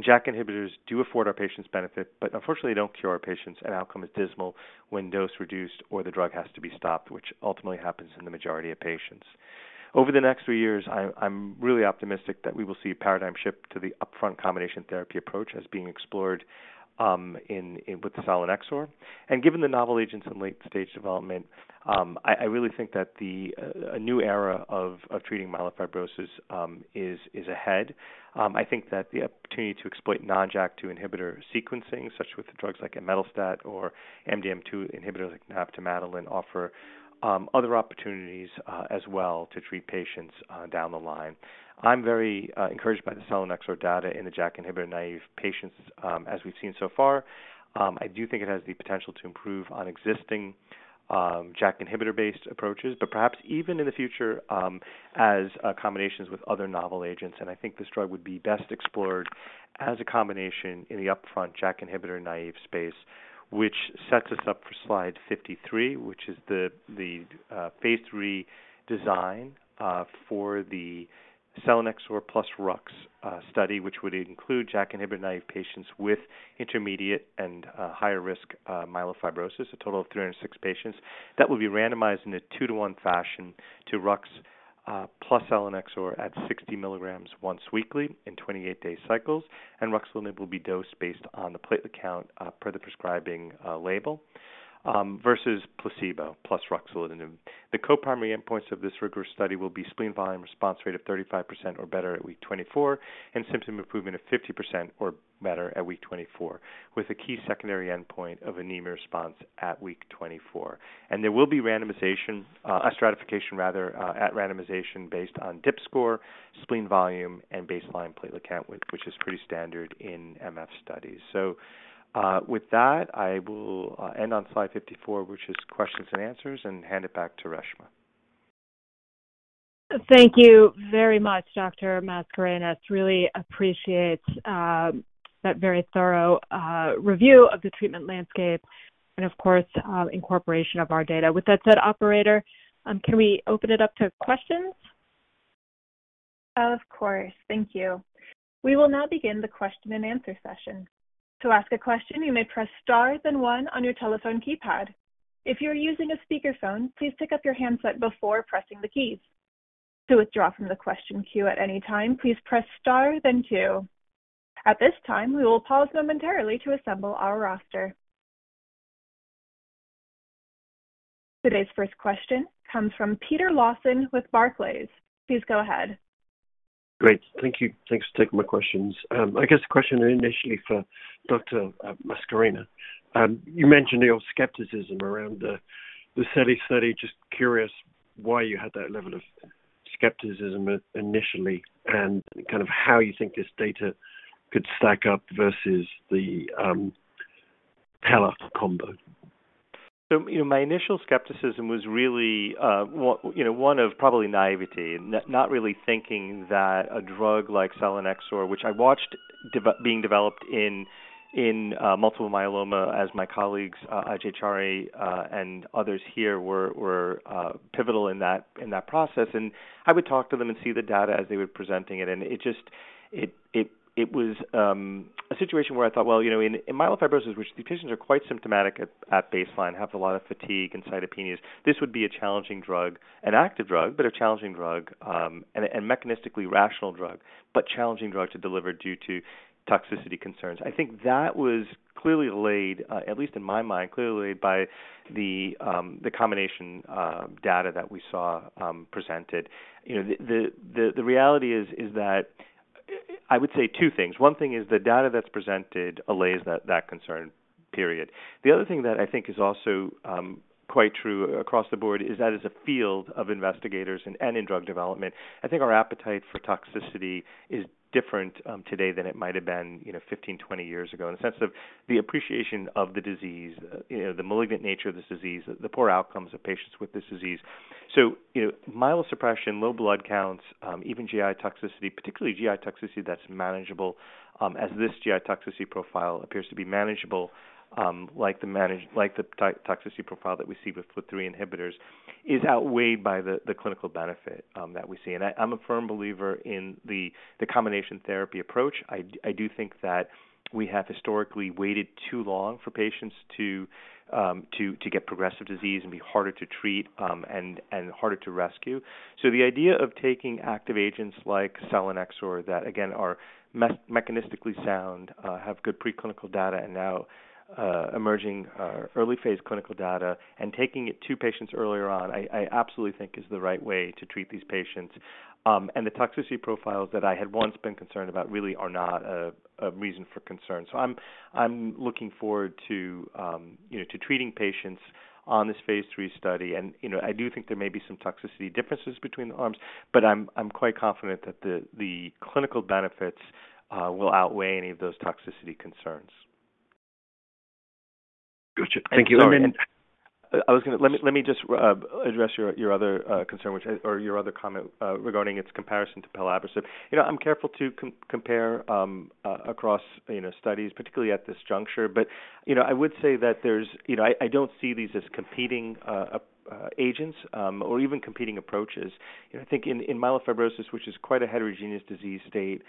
JAK inhibitors do afford our patients benefit, but unfortunately, they don't cure our patients, and outcome is dismal when dose reduced or the drug has to be stopped, which ultimately happens in the majority of patients. Over the next three years, I'm really optimistic that we will see a paradigm shift to the upfront combination therapy approach as being explored with the selinexor. Given the novel agents in late-stage development, I really think that a new era of treating myelofibrosis is ahead. I think that the opportunity to exploit non-JAK2 inhibitor sequencing, such with the drugs like imetelstat or MDM2 inhibitor like navtemadlin offer, other opportunities as well to treat patients down the line. I'm very encouraged by the selinexor data in the JAK inhibitor-naïve patients as we've seen so far. I do think it has the potential to improve on existing JAK inhibitor-based approaches, but perhaps even in the future as combinations with other novel agents. I think this drug would be best explored as a combination in the upfront JAK inhibitor-naïve space, which sets us up for slide 53, which is the Phase IIII design for the selinexor plus Rux study, which would include JAK inhibitor-naïve patients with intermediate and higher risk myelofibrosis, a total of 306 patients. That will be randomized in a 2-to-1 fashion to Rux plus selinexor at 60 milligrams once weekly in 28-day cycles. Ruxolitinib will be dosed based on the platelet count per the prescribing label, versus placebo plus ruxolitinib. The co-primary endpoints of this rigorous study will be spleen volume response rate of 35% or better at week 24, and symptom improvement of 50% or better at week 24, with a key secondary endpoint of anemia response at week 24. There will be randomization, a stratification rather, at randomization based on DIPSS score, spleen volume, and baseline platelet count, which is pretty standard in MF studies. With that, I will end on slide 54, which is questions and answers, and hand it back to Reshma. Thank you very much, Dr. Mascarenhas. Really appreciate, that very thorough, review of the treatment landscape and of course, incorporation of our data. With that said, operator, can we open it up to questions? Of course. Thank you. We will now begin the question and answer session. To ask a question, you may press star then one on your telephone keypad. If you're using a speakerphone, please pick up your handset before pressing the keys. To withdraw from the question queue at any time, please press star then two. At this time, we will pause momentarily to assemble our roster. Today's first question comes from Peter Lawson with Barclays. Please go ahead. Great. Thank you. Thanks for taking my questions. I guess the question initially for Dr. Mascarenhas. You mentioned your skepticism around the STORM study. Just curious why you had that level of skepticism initially and kind of how you think this data could stack up versus the talazoparib combination? You know, my initial skepticism was really, you know, one of probably naivety. Not really thinking that a drug like selinexor, which I watched being developed in multiple myeloma as my colleagues, Ajay Chari and others here were pivotal in that process. I would talk to them and see the data as they were presenting it was a situation where I thought, well, you know, in myelofibrosis, which the patients are quite symptomatic at baseline, have a lot of fatigue and cytopenias, this would be a challenging drug, an active drug, but a challenging drug, and a mechanistically rational drug, but challenging drug to deliver due to toxicity concerns. I think that was clearly laid, at least in my mind, clearly laid by the combination data that we saw presented. You know, the reality is that I would say two things. One thing is the data that's presented allays that concern, period. The other thing that I think is also quite true across the board is that as a field of investigators and in drug development, I think our appetite for toxicity is different today than it might have been, you know, 15, 20 years ago in a sense of the appreciation of the disease, you know, the malignant nature of this disease, the poor outcomes of patients with this disease. You know, myelosuppression, low blood counts, even GI toxicity, particularly GI toxicity that's manageable, as this GI toxicity profile appears to be manageable, like the toxicity profile that we see with FLT3 inhibitors is outweighed by the clinical benefit that we see. I'm a firm believer in the combination therapy approach. I do think that we have historically waited too long for patients to get progressive disease and be harder to treat and harder to rescue. The idea of taking active agents like selinexor that again are mechanistically sound, have good preclinical data and now emerging early-Phase clinical data and taking it to patients earlier on, I absolutely think is the right way to treat these patients. The toxicity profiles that I had once been concerned about really are not a reason for concern. I'm looking forward to, you know, to treating patients on this Phase III study. You know, I do think there may be some toxicity differences between the arms, but I'm quite confident that the clinical benefits will outweigh any of those toxicity concerns. Got you. Thank you. Let me just address your other comment regarding its comparison to pelabresib. You know, I'm careful to compare across, you know, studies, particularly at this juncture. You know, I don't see these as competing agents or even competing approaches. You know, I think in myelofibrosis, which is quite a heterogeneous disease state,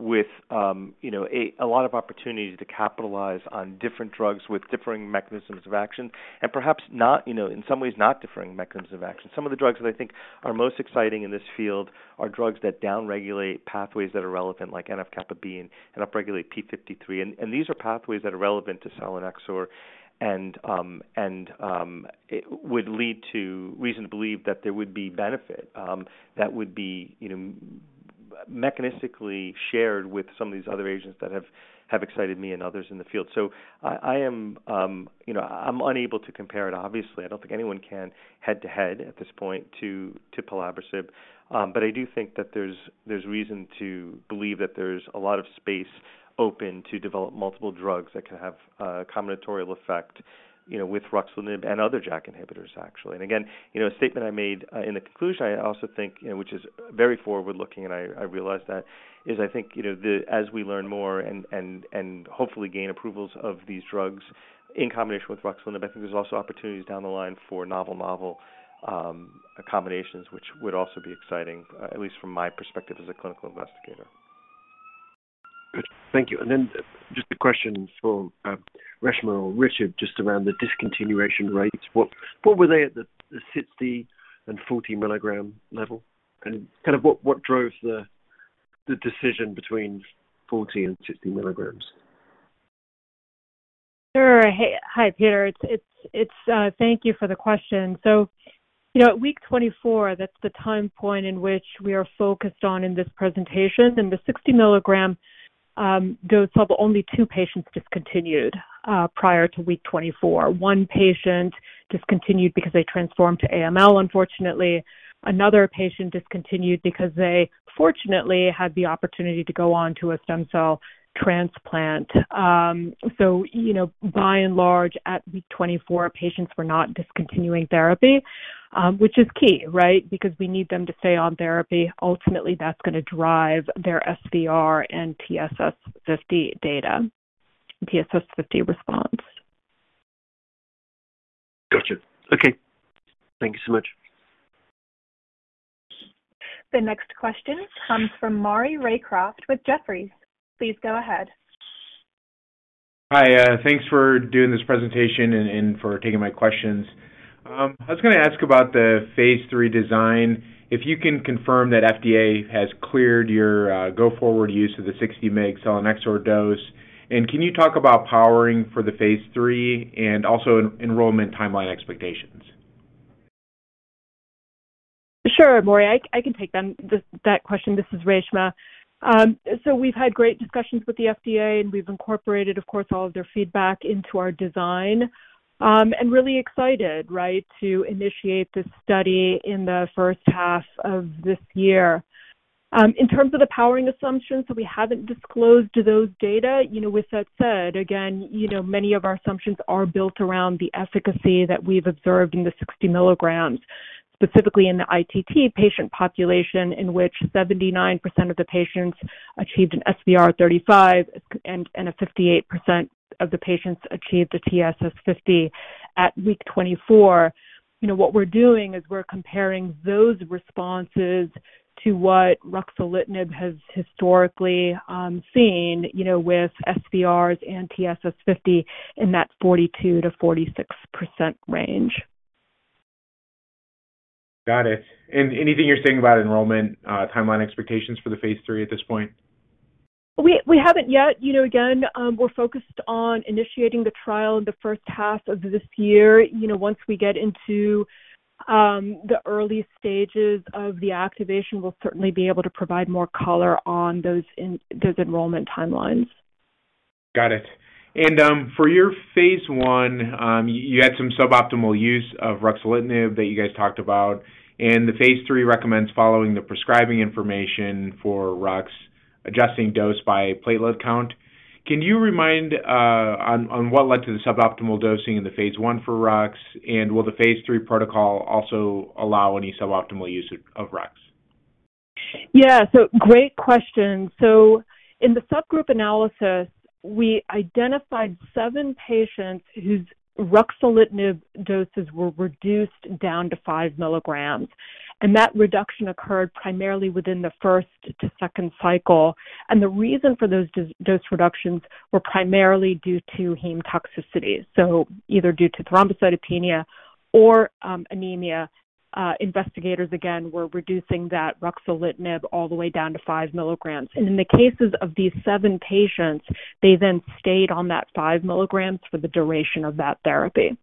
with, you know, a lot of opportunities to capitalize on different drugs with differing mechanisms of action and perhaps not, you know, in some ways not differing mechanisms of action. Some of the drugs that I think are most exciting in this field are drugs that downregulate pathways that are relevant, like NF-κB and upregulate p53. These are pathways that are relevant to selinexor and it would lead to reason to believe that there would be benefit, that would be, you know, mechanistically shared with some of these other agents that have excited me and others in the field. I am, you know, I'm unable to compare it. Obviously, I don't think anyone can head to head at this point to pelabresib. I do think that there's reason to believe that there's a lot of space open to develop multiple drugs that can have a combinatorial effect, you know, with ruxolitinib and other JAK inhibitors actually. Again, you know, a statement I made, in the conclusion, I also think, you know, which is very forward-looking and I realize that is I think, you know, as we learn more and hopefully gain approvals of these drugs in combination with Ruxolitinib, I think there's also opportunities down the line for novel combinations, which would also be exciting, at least from my perspective as a clinical investigator. Good. Thank you. Just a question for Reshma or Richard, just around the discontinuation rates. What were they at the 60 and 40 milligram level? Kind of what drove the decision between 40 and 60 milligrams? Sure. Hi, Peter. Thank you for the question. You know, at week 24, that's the time point in which we are focused on in this presentation. In the 60 milligram dose level, only two patients discontinued prior to week 24. One patient discontinued because they transformed to AML unfortunately. Another patient discontinued because they fortunately had the opportunity to go on to a stem cell transplant. You know, by and large at week 24, patients were not discontinuing therapy, which is key, right? Because we need them to stay on therapy. Ultimately, that's gonna drive their SVR and TSS50 data, TSS50 response. Gotcha. Okay. Thank you so much. The next question comes from Maury Raycroft with Jefferies. Please go ahead. Hi, thanks for doing this presentation and for taking my questions. I was gonna ask about the Phase III design, if you can confirm that FDA has cleared your go-forward use of the 60 mg selinexor dose, and can you talk about powering for the Phase III and also enrollment timeline expectations? Sure, Maury. I can take that question. This is Reshma. We've had great discussions with the FDA, and we've incorporated, of course, all of their feedback into our design, and really excited, right, to initiate this study in the first half of this year. In terms of the powering assumptions, we haven't disclosed those data. You know, with that said, again, you know, many of our assumptions are built around the efficacy that we've observed in the 60 milligrams, specifically in the ITT patient population, in which 79% of the patients achieved an SVR35 and a 58% of the patients achieved a TSS50 at week 24. You know, what we're doing is we're comparing those responses to what Ruxolitinib has historically seen, you know, with SVRs and TSS50 in that 42%-46% range. Got it. Anything you're seeing about enrollment, timeline expectations for the Phase III at this point? We haven't yet. You know, again, we're focused on initiating the trial in the first half of this year. You know, once we get into, the early stages of the activation, we'll certainly be able to provide more color on those enrollment timelines. Got it. For your Phase I, you had some suboptimal use of ruxolitinib that you guys talked about, and the Phase III recommends following the prescribing information for RUX, adjusting dose by platelet count. Can you remind on what led to the suboptimal dosing in the Phase five for RUX? Will the Phase III protocol also allow any suboptimal use of RUX? Yeah. Great question. In the subgroup analysis, we identified seven patients whose ruxolitinib doses were reduced down to 5 milligrams, and that reduction occurred primarily within the first to second cycle. The reason for those dose reductions were primarily due to heme toxicities, so either due to thrombocytopenia or anemia. Investigators, again, were reducing that ruxolitinib all the way down to 5 milligrams. In the cases of these seven patients, they then stayed on that 5 milligrams for the duration of that therapy.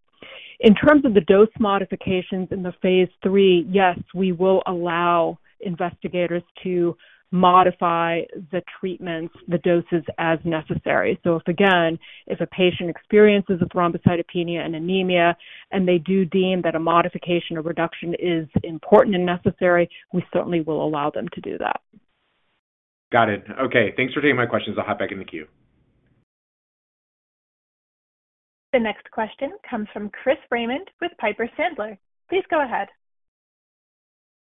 In terms of the dose modifications in the Phase III, yes, we will allow investigators to modify the treatments, the doses as necessary. If, again, if a patient experiences a thrombocytopenia and anemia, and they do deem that a modification or reduction is important and necessary, we certainly will allow them to do that. Got it. Okay. Thanks for taking my questions. I'll hop back in the queue. The next question comes from Chris Raymond with Piper Sandler. Please go ahead.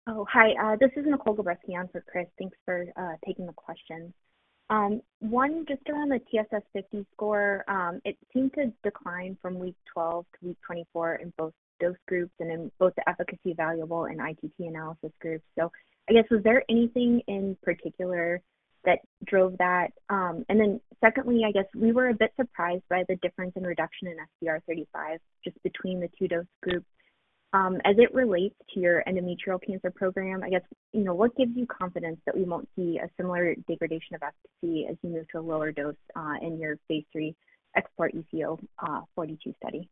Hi. This is Nicole Gabreski on for Chris. Thanks for taking the question. One just around the TSS50 score. It seemed to decline from week 12 to week 24 in both dose groups and in both the efficacy evaluable and ITT analysis groups. I guess was there anything in particular that drove that? Secondly, I guess we were a bit surprised by the difference in reduction in SVR35 just between the two dose groups. As it relates to your endometrial cancer program, I guess, you know, what gives you confidence that we won't see a similar degradation of efficacy as you move to a lower dose in your Phase III XPORT-EC-042 study?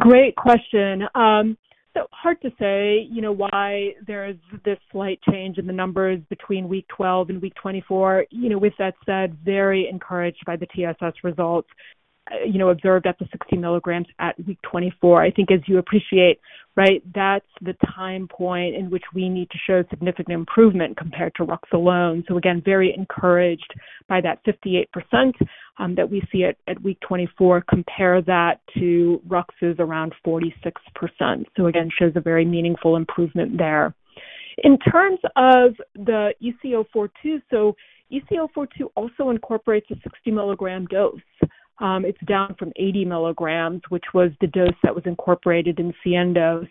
Great question. Hard to say, you know, why there's this slight change in the numbers between week 12 and week 24. You know, with that said, very encouraged by the TSS results, you know, observed at the 60 milligrams at week 24. I think as you appreciate, right, that's the time point in which we need to show significant improvement compared to Rux alone. Again, very encouraged by that 58% that we see at week 24, compare that to Rux's around 46%. Again, shows a very meaningful improvement there. In terms of the XPORT-EC-042, XPORT-EC-042 also incorporates a 60-milligram dose. It's down from 80 milligrams, which was the dose that was incorporated in SIENDO.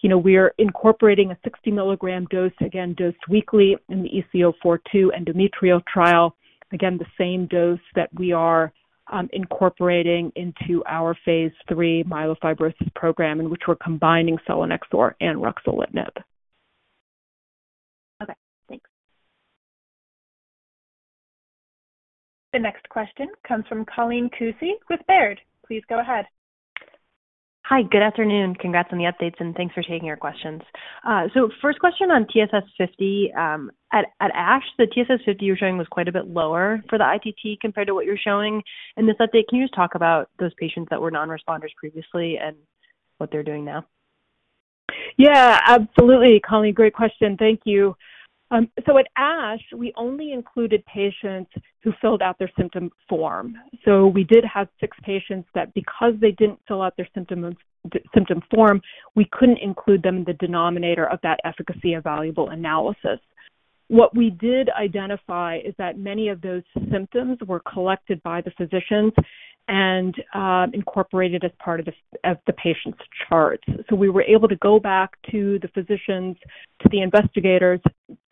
You know, we're incorporating a 60-milligram dose, again, dosed weekly in the XPORT-EC-042 endometrial trial. Again, the same dose that we are incorporating into our Phase III myelofibrosis program in which we're combining selinexor and ruxolitinib. Okay. Thanks. The next question comes from Colleen Kusy with Baird. Please go ahead. Hi. Good afternoon. Congrats on the updates, and thanks for taking our questions. First question on TSS50. At ASH, the TSS50 you were showing was quite a bit lower for the ITT compared to what you're showing in this update. Can you just talk about those patients that were non-responders previously and what they're doing now? Yeah, absolutely, Colleen. Great question. Thank you. At ASH, we only included patients who filled out their symptom form. We did have six patients that because they didn't fill out their symptom form, we couldn't include them in the denominator of that efficacy evaluable analysis. What we did identify is that many of those symptoms were collected by the physicians and incorporated as part of the patient's charts. We were able to go back to the physicians, to the investigators,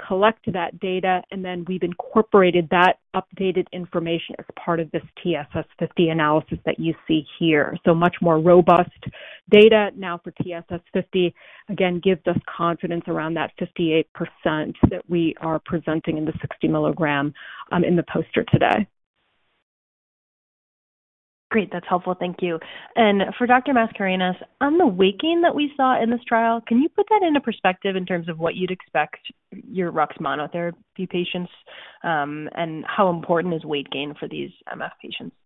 collect that data, and then we've incorporated that updated information as part of this TSS50 analysis that you see here. Much more robust data now for TSS50, again, gives us confidence around that 58% that we are presenting in the 60 milligram in the poster today. Great. That's helpful. Thank you. For Dr. Mascarenhas, on the weight gain that we saw in this trial, can you put that into perspective in terms of what you'd expect your RUX monotherapy patients, and how important is weight gain for these MF patients?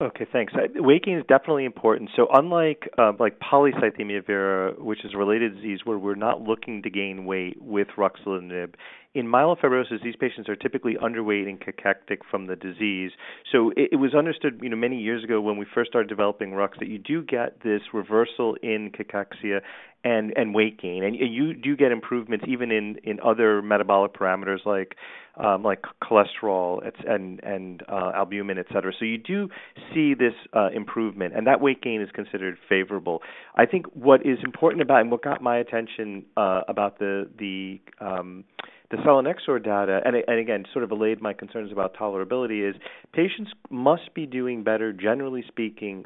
Okay, thanks. Weight gain is definitely important. Unlike, like polycythemia vera, which is a related disease where we're not looking to gain weight with ruxolitinib, in myelofibrosis, these patients are typically underweight and cachectic from the disease. It was understood, you know, many years ago when we first started developing RUX that you do get this reversal in cachexia and weight gain. You do get improvements even in other metabolic parameters like cholesterol, and albumin, et cetera. You do see this improvement, and that weight gain is considered favorable. I think what is important about and what got my attention about the selinexor data, and again, sort of allayed my concerns about tolerability, is patients must be doing better, generally speaking,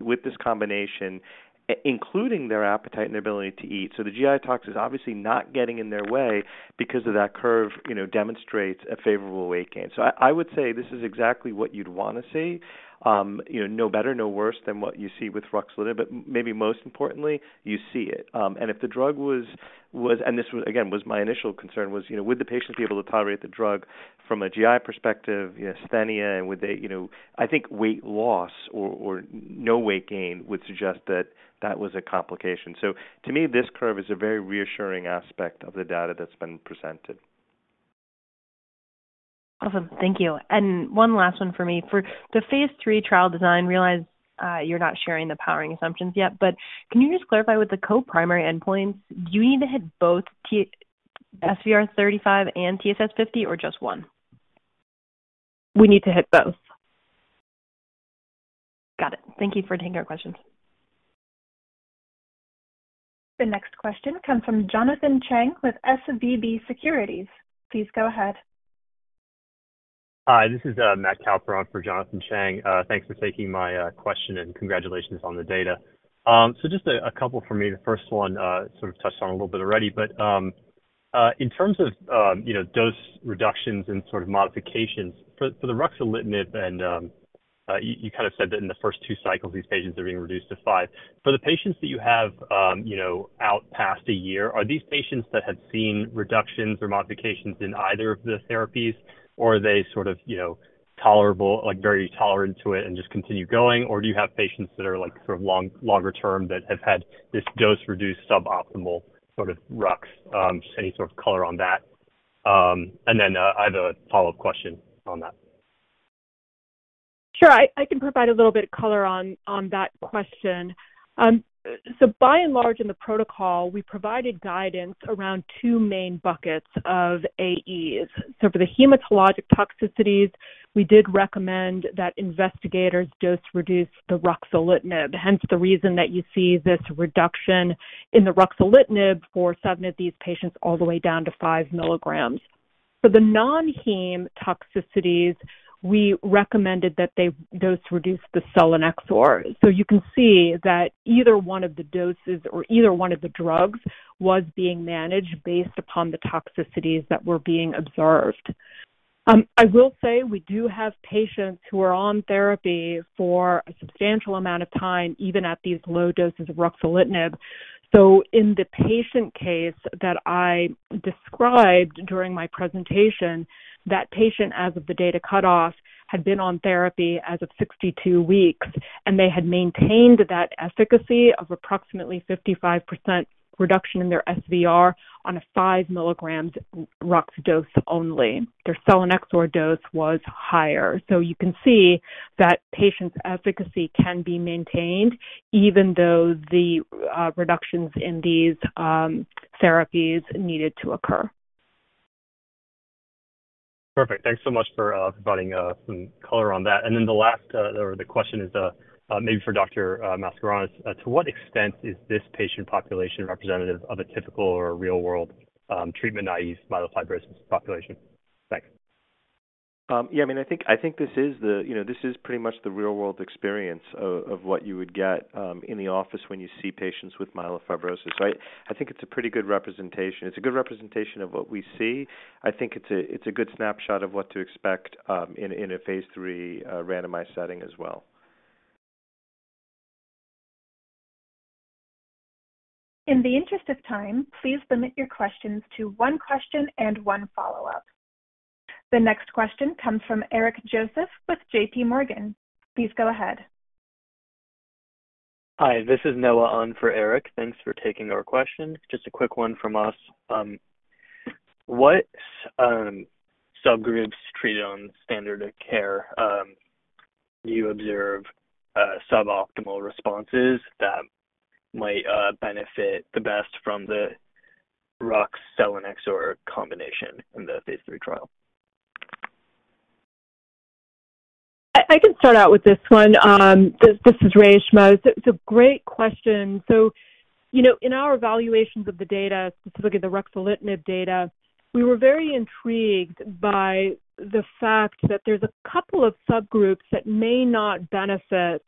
with this combination, including their appetite and ability to eat. The GI tox is obviously not getting in their way because of that curve, you know, demonstrates a favorable weight gain. I would say this is exactly what you'd wanna see, you know, no better, no worse than what you see with ruxolitinib, but maybe most importantly, you see it. If the drug was, and this was, again, was my initial concern was, you know, would the patient be able to tolerate the drug from a GI perspective, you know, asthenia, and would they, you know... I think weight loss or, no weight gain would suggest that that was a complication. To me, this curve is a very reassuring aspect of the data that's been presented. Awesome. Thank you. One last one for me. For the Phase III trial design, realize, you're not sharing the powering assumptions yet, but can you just clarify with the co-primary endpoints, do you need to hit both SVR35 and TSS50 or just one? We need to hit both. Got it. Thank you for taking our questions. The next question comes from Jonathan Chang with SVB Securities. Please go ahead. Hi, this is Matt Cowper on for Jonathan Chang. Thanks for taking my question, and congratulations on the data. Just a couple from me. The first one sort of touched on a little bit already, but in terms of, you know, dose reductions and sort of modifications for the ruxolitinib, you kind of said that in the first two cycles, these patients are being reduced to five. For the patients that you have, you know, out past a year, are these patients that had seen reductions or modifications in either of the therapies, or are they sort of, you know, tolerable, like very tolerant to it and just continue going, or do you have patients that are like sort of long-term that have had this dose-reduced suboptimal sort of Rux? Just any sort of color on that. I have a follow-up question on that. Sure. I can provide a little bit of color on that question. By and large in the protocol, we provided guidance around two main buckets of AEs. For the hematologic toxicities, we did recommend that investigators dose reduce the ruxolitinib, hence the reason that you see this reduction in the ruxolitinib for some of these patients all the way down to 5 milligrams. For the non-heme toxicities, we recommended that they dose reduce the selinexor. You can see that either one of the doses or either one of the drugs was being managed based upon the toxicities that were being observed. I will say we do have patients who are on therapy for a substantial amount of time, even at these low doses of ruxolitinib. In the patient case that I described during my presentation, that patient, as of the data cutoff, had been on therapy as of 62 weeks, and they had maintained that efficacy of approximately 55% reduction in their SVR on a 5 milligrams Rux dose only. Their selinexor dose was higher. You can see that patient's efficacy can be maintained even though the reductions in these therapies needed to occur. Perfect. Thanks so much for providing some color on that. The last or the question is maybe for Dr. Mascarenhas. To what extent is this patient population representative of a typical or real-world treatment-naive myelofibrosis population? Thanks. Yeah, I mean, I think, I think this is the, you know, this is pretty much the real-world experience of what you would get, in the office when you see patients with myelofibrosis, right? I think it's a pretty good representation. It's a good representation of what we see. I think it's a good snapshot of what to expect, in a Phase III, randomized setting as well. In the interest of time, please limit your questions to one question and one follow-up. The next question comes from Eric Joseph with JPMorgan. Please go ahead. Hi, this is Noah An for Eric. Thanks for taking our question. Just a quick one from us. What subgroups treated on standard of care do you observe suboptimal responses that might benefit the best from the Rux-selinexor combination in the Phase III trial? I can start out with this one. This is Reshma. It's a great question. You know, in our evaluations of the data, specifically the ruxolitinib data, we were very intrigued by the fact that there's a couple of subgroups that may not benefit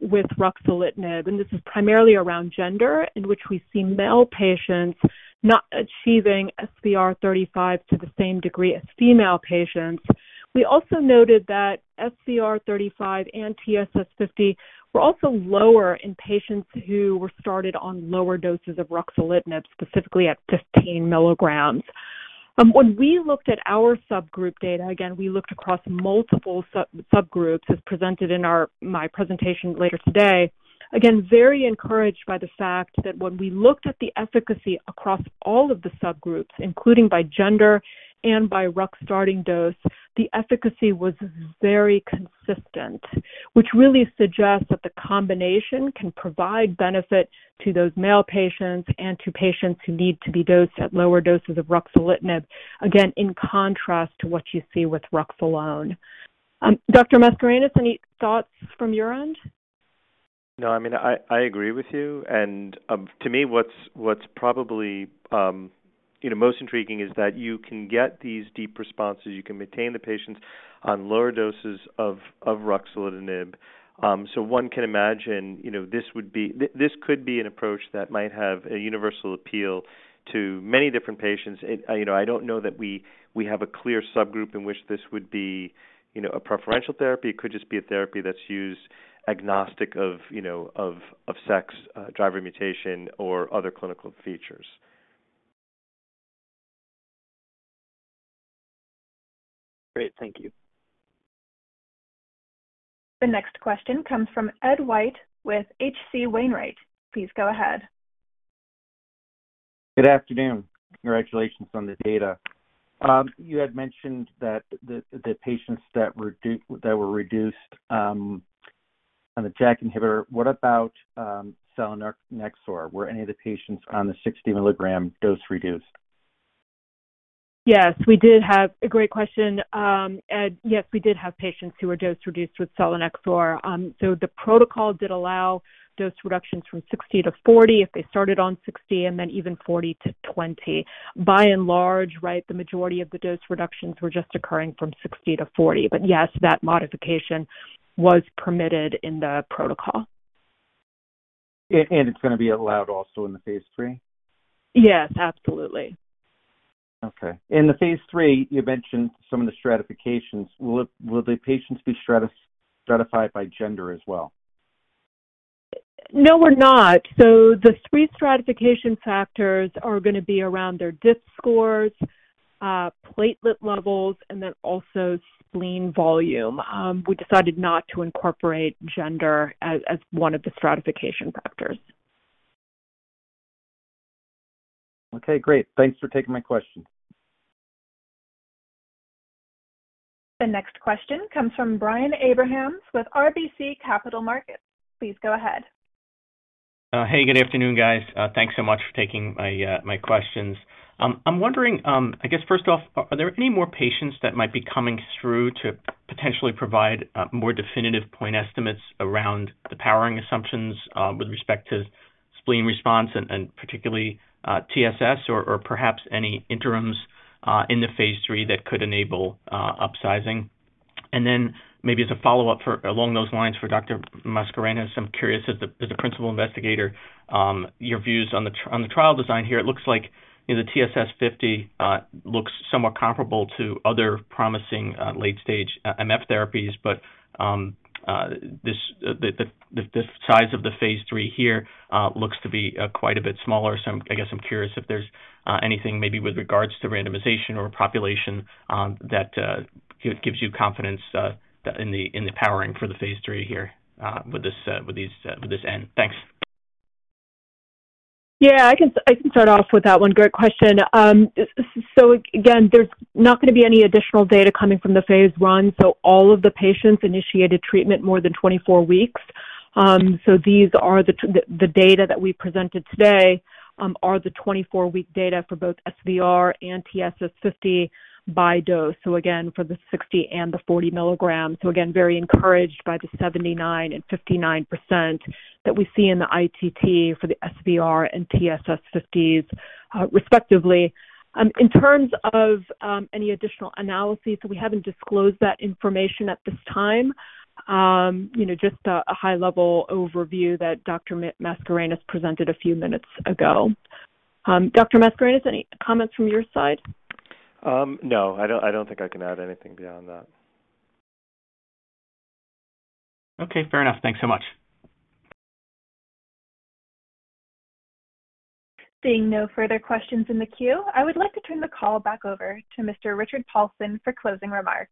with ruxolitinib, and this is primarily around gender, in which we see male patients not achieving SVR 35 to the same degree as female patients. We also noted that SVR 35 and TSS 50 were also lower in patients who were started on lower doses of ruxolitinib, specifically at 15 milligrams. When we looked at our subgroup data, again, we looked across multiple sub-subgroups, as presented in our, my presentation later today. Again, very encouraged by the fact that when we looked at the efficacy across all of the subgroups, including by gender and by Rux starting dose, the efficacy was very consistent, which really suggests that the combination can provide benefit to those male patients and to patients who need to be dosed at lower doses of ruxolitinib, again, in contrast to what you see with Rux alone. Dr. Mascarenhas, any thoughts from your end? No, I mean, I agree with you. To me, what's probably, you know, most intriguing is that you can get these deep responses, you can maintain the patients on lower doses of ruxolitinib. One can imagine, you know, this could be an approach that might have a universal appeal to many different patients. It, you know, I don't know that we have a clear subgroup in which this would be, you know, a preferential therapy. It could just be a therapy that's used agnostic of, you know, of sex, driver mutation or other clinical features. Great. Thank you. The next question comes from Ed White with H.C. Wainwright. Please go ahead. Good afternoon. Congratulations on the data. You had mentioned that the patients that were reduced, on the JAK inhibitor. What about, selinexor? Were any of the patients on the 60 milligram dose reduced? Great question, Ed. Yes, we did have patients who were dose reduced with selinexor. The protocol did allow dose reductions from 60 to 40 if they started on 60 and then even 40 to 20. By and large, right, the majority of the dose reductions were just occurring from 60 to 40. Yes, that modification was permitted in the protocol. it's gonna be allowed also in the Phase III? Yes, absolutely. Okay. In the Phase III, you mentioned some of the stratifications. Will the patients be stratified by gender as well? No, we're not. The three stratification factors are gonna be around their DIPSS scores, platelet levels, and then also spleen volume. We decided not to incorporate gender as one of the stratification factors. Okay, great. Thanks for taking my question. The next question comes from Brian Abrahams with RBC Capital Markets. Please go ahead. Hey, good afternoon, guys. Thanks so much for taking my questions. I'm wondering, I guess, first off, are there any more patients that might be coming through to potentially provide more definitive point estimates around the powering assumptions with respect to spleen response and particularly TSS or perhaps any interims in the Phase III that could enable upsizing? Then maybe as a follow-up along those lines for Dr. Mascarenhas, I'm curious as the principal investigator, your views on the trial design here. It looks like the TSS50 looks somewhat comparable to other promising late stage MF therapies, but the size of the Phase III here looks to be quite a bit smaller. I guess I'm curious if there's anything maybe with regards to randomization or population that gives you confidence that in the powering for the Phase III here with this, with these, with this end? Thanks. Yeah. I can start off with that one. Great question. Again, there's not gonna be any additional data coming from the Phase I, so all of the patients initiated treatment more than 24 weeks. These are the data that we presented today are the 24-week data for both SVR and TSS 50 by dose. Again, for the 60 and the 40 milligrams. Again, very encouraged by the 79 and 59% that we see in the ITT for the SVR and TSS 50s, respectively. In terms of any additional analyses, we haven't disclosed that information at this time. You know, just a high-level overview that Dr. Mascarenhas presented a few minutes ago. Dr. Mascarenhas, any comments from your side? No. I don't, I don't think I can add anything beyond that. Okay. Fair enough. Thanks so much. Seeing no further questions in the queue, I would like to turn the call back over to Mr. Richard Paulson for closing remarks.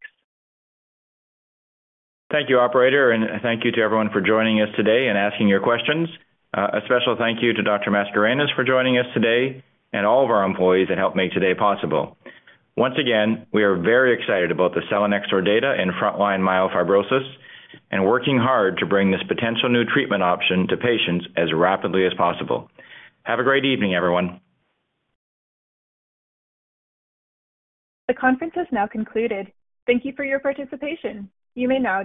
Thank you, operator, and thank you to everyone for joining us today and asking your questions. A special thank you to Dr. Mascarenhas for joining us today and all of our employees that helped make today possible. Once again, we are very excited about the selinexor data in frontline myelofibrosis and working hard to bring this potential new treatment option to patients as rapidly as possible. Have a great evening, everyone. The conference is now concluded. Thank you for your participation. You may now disconnect.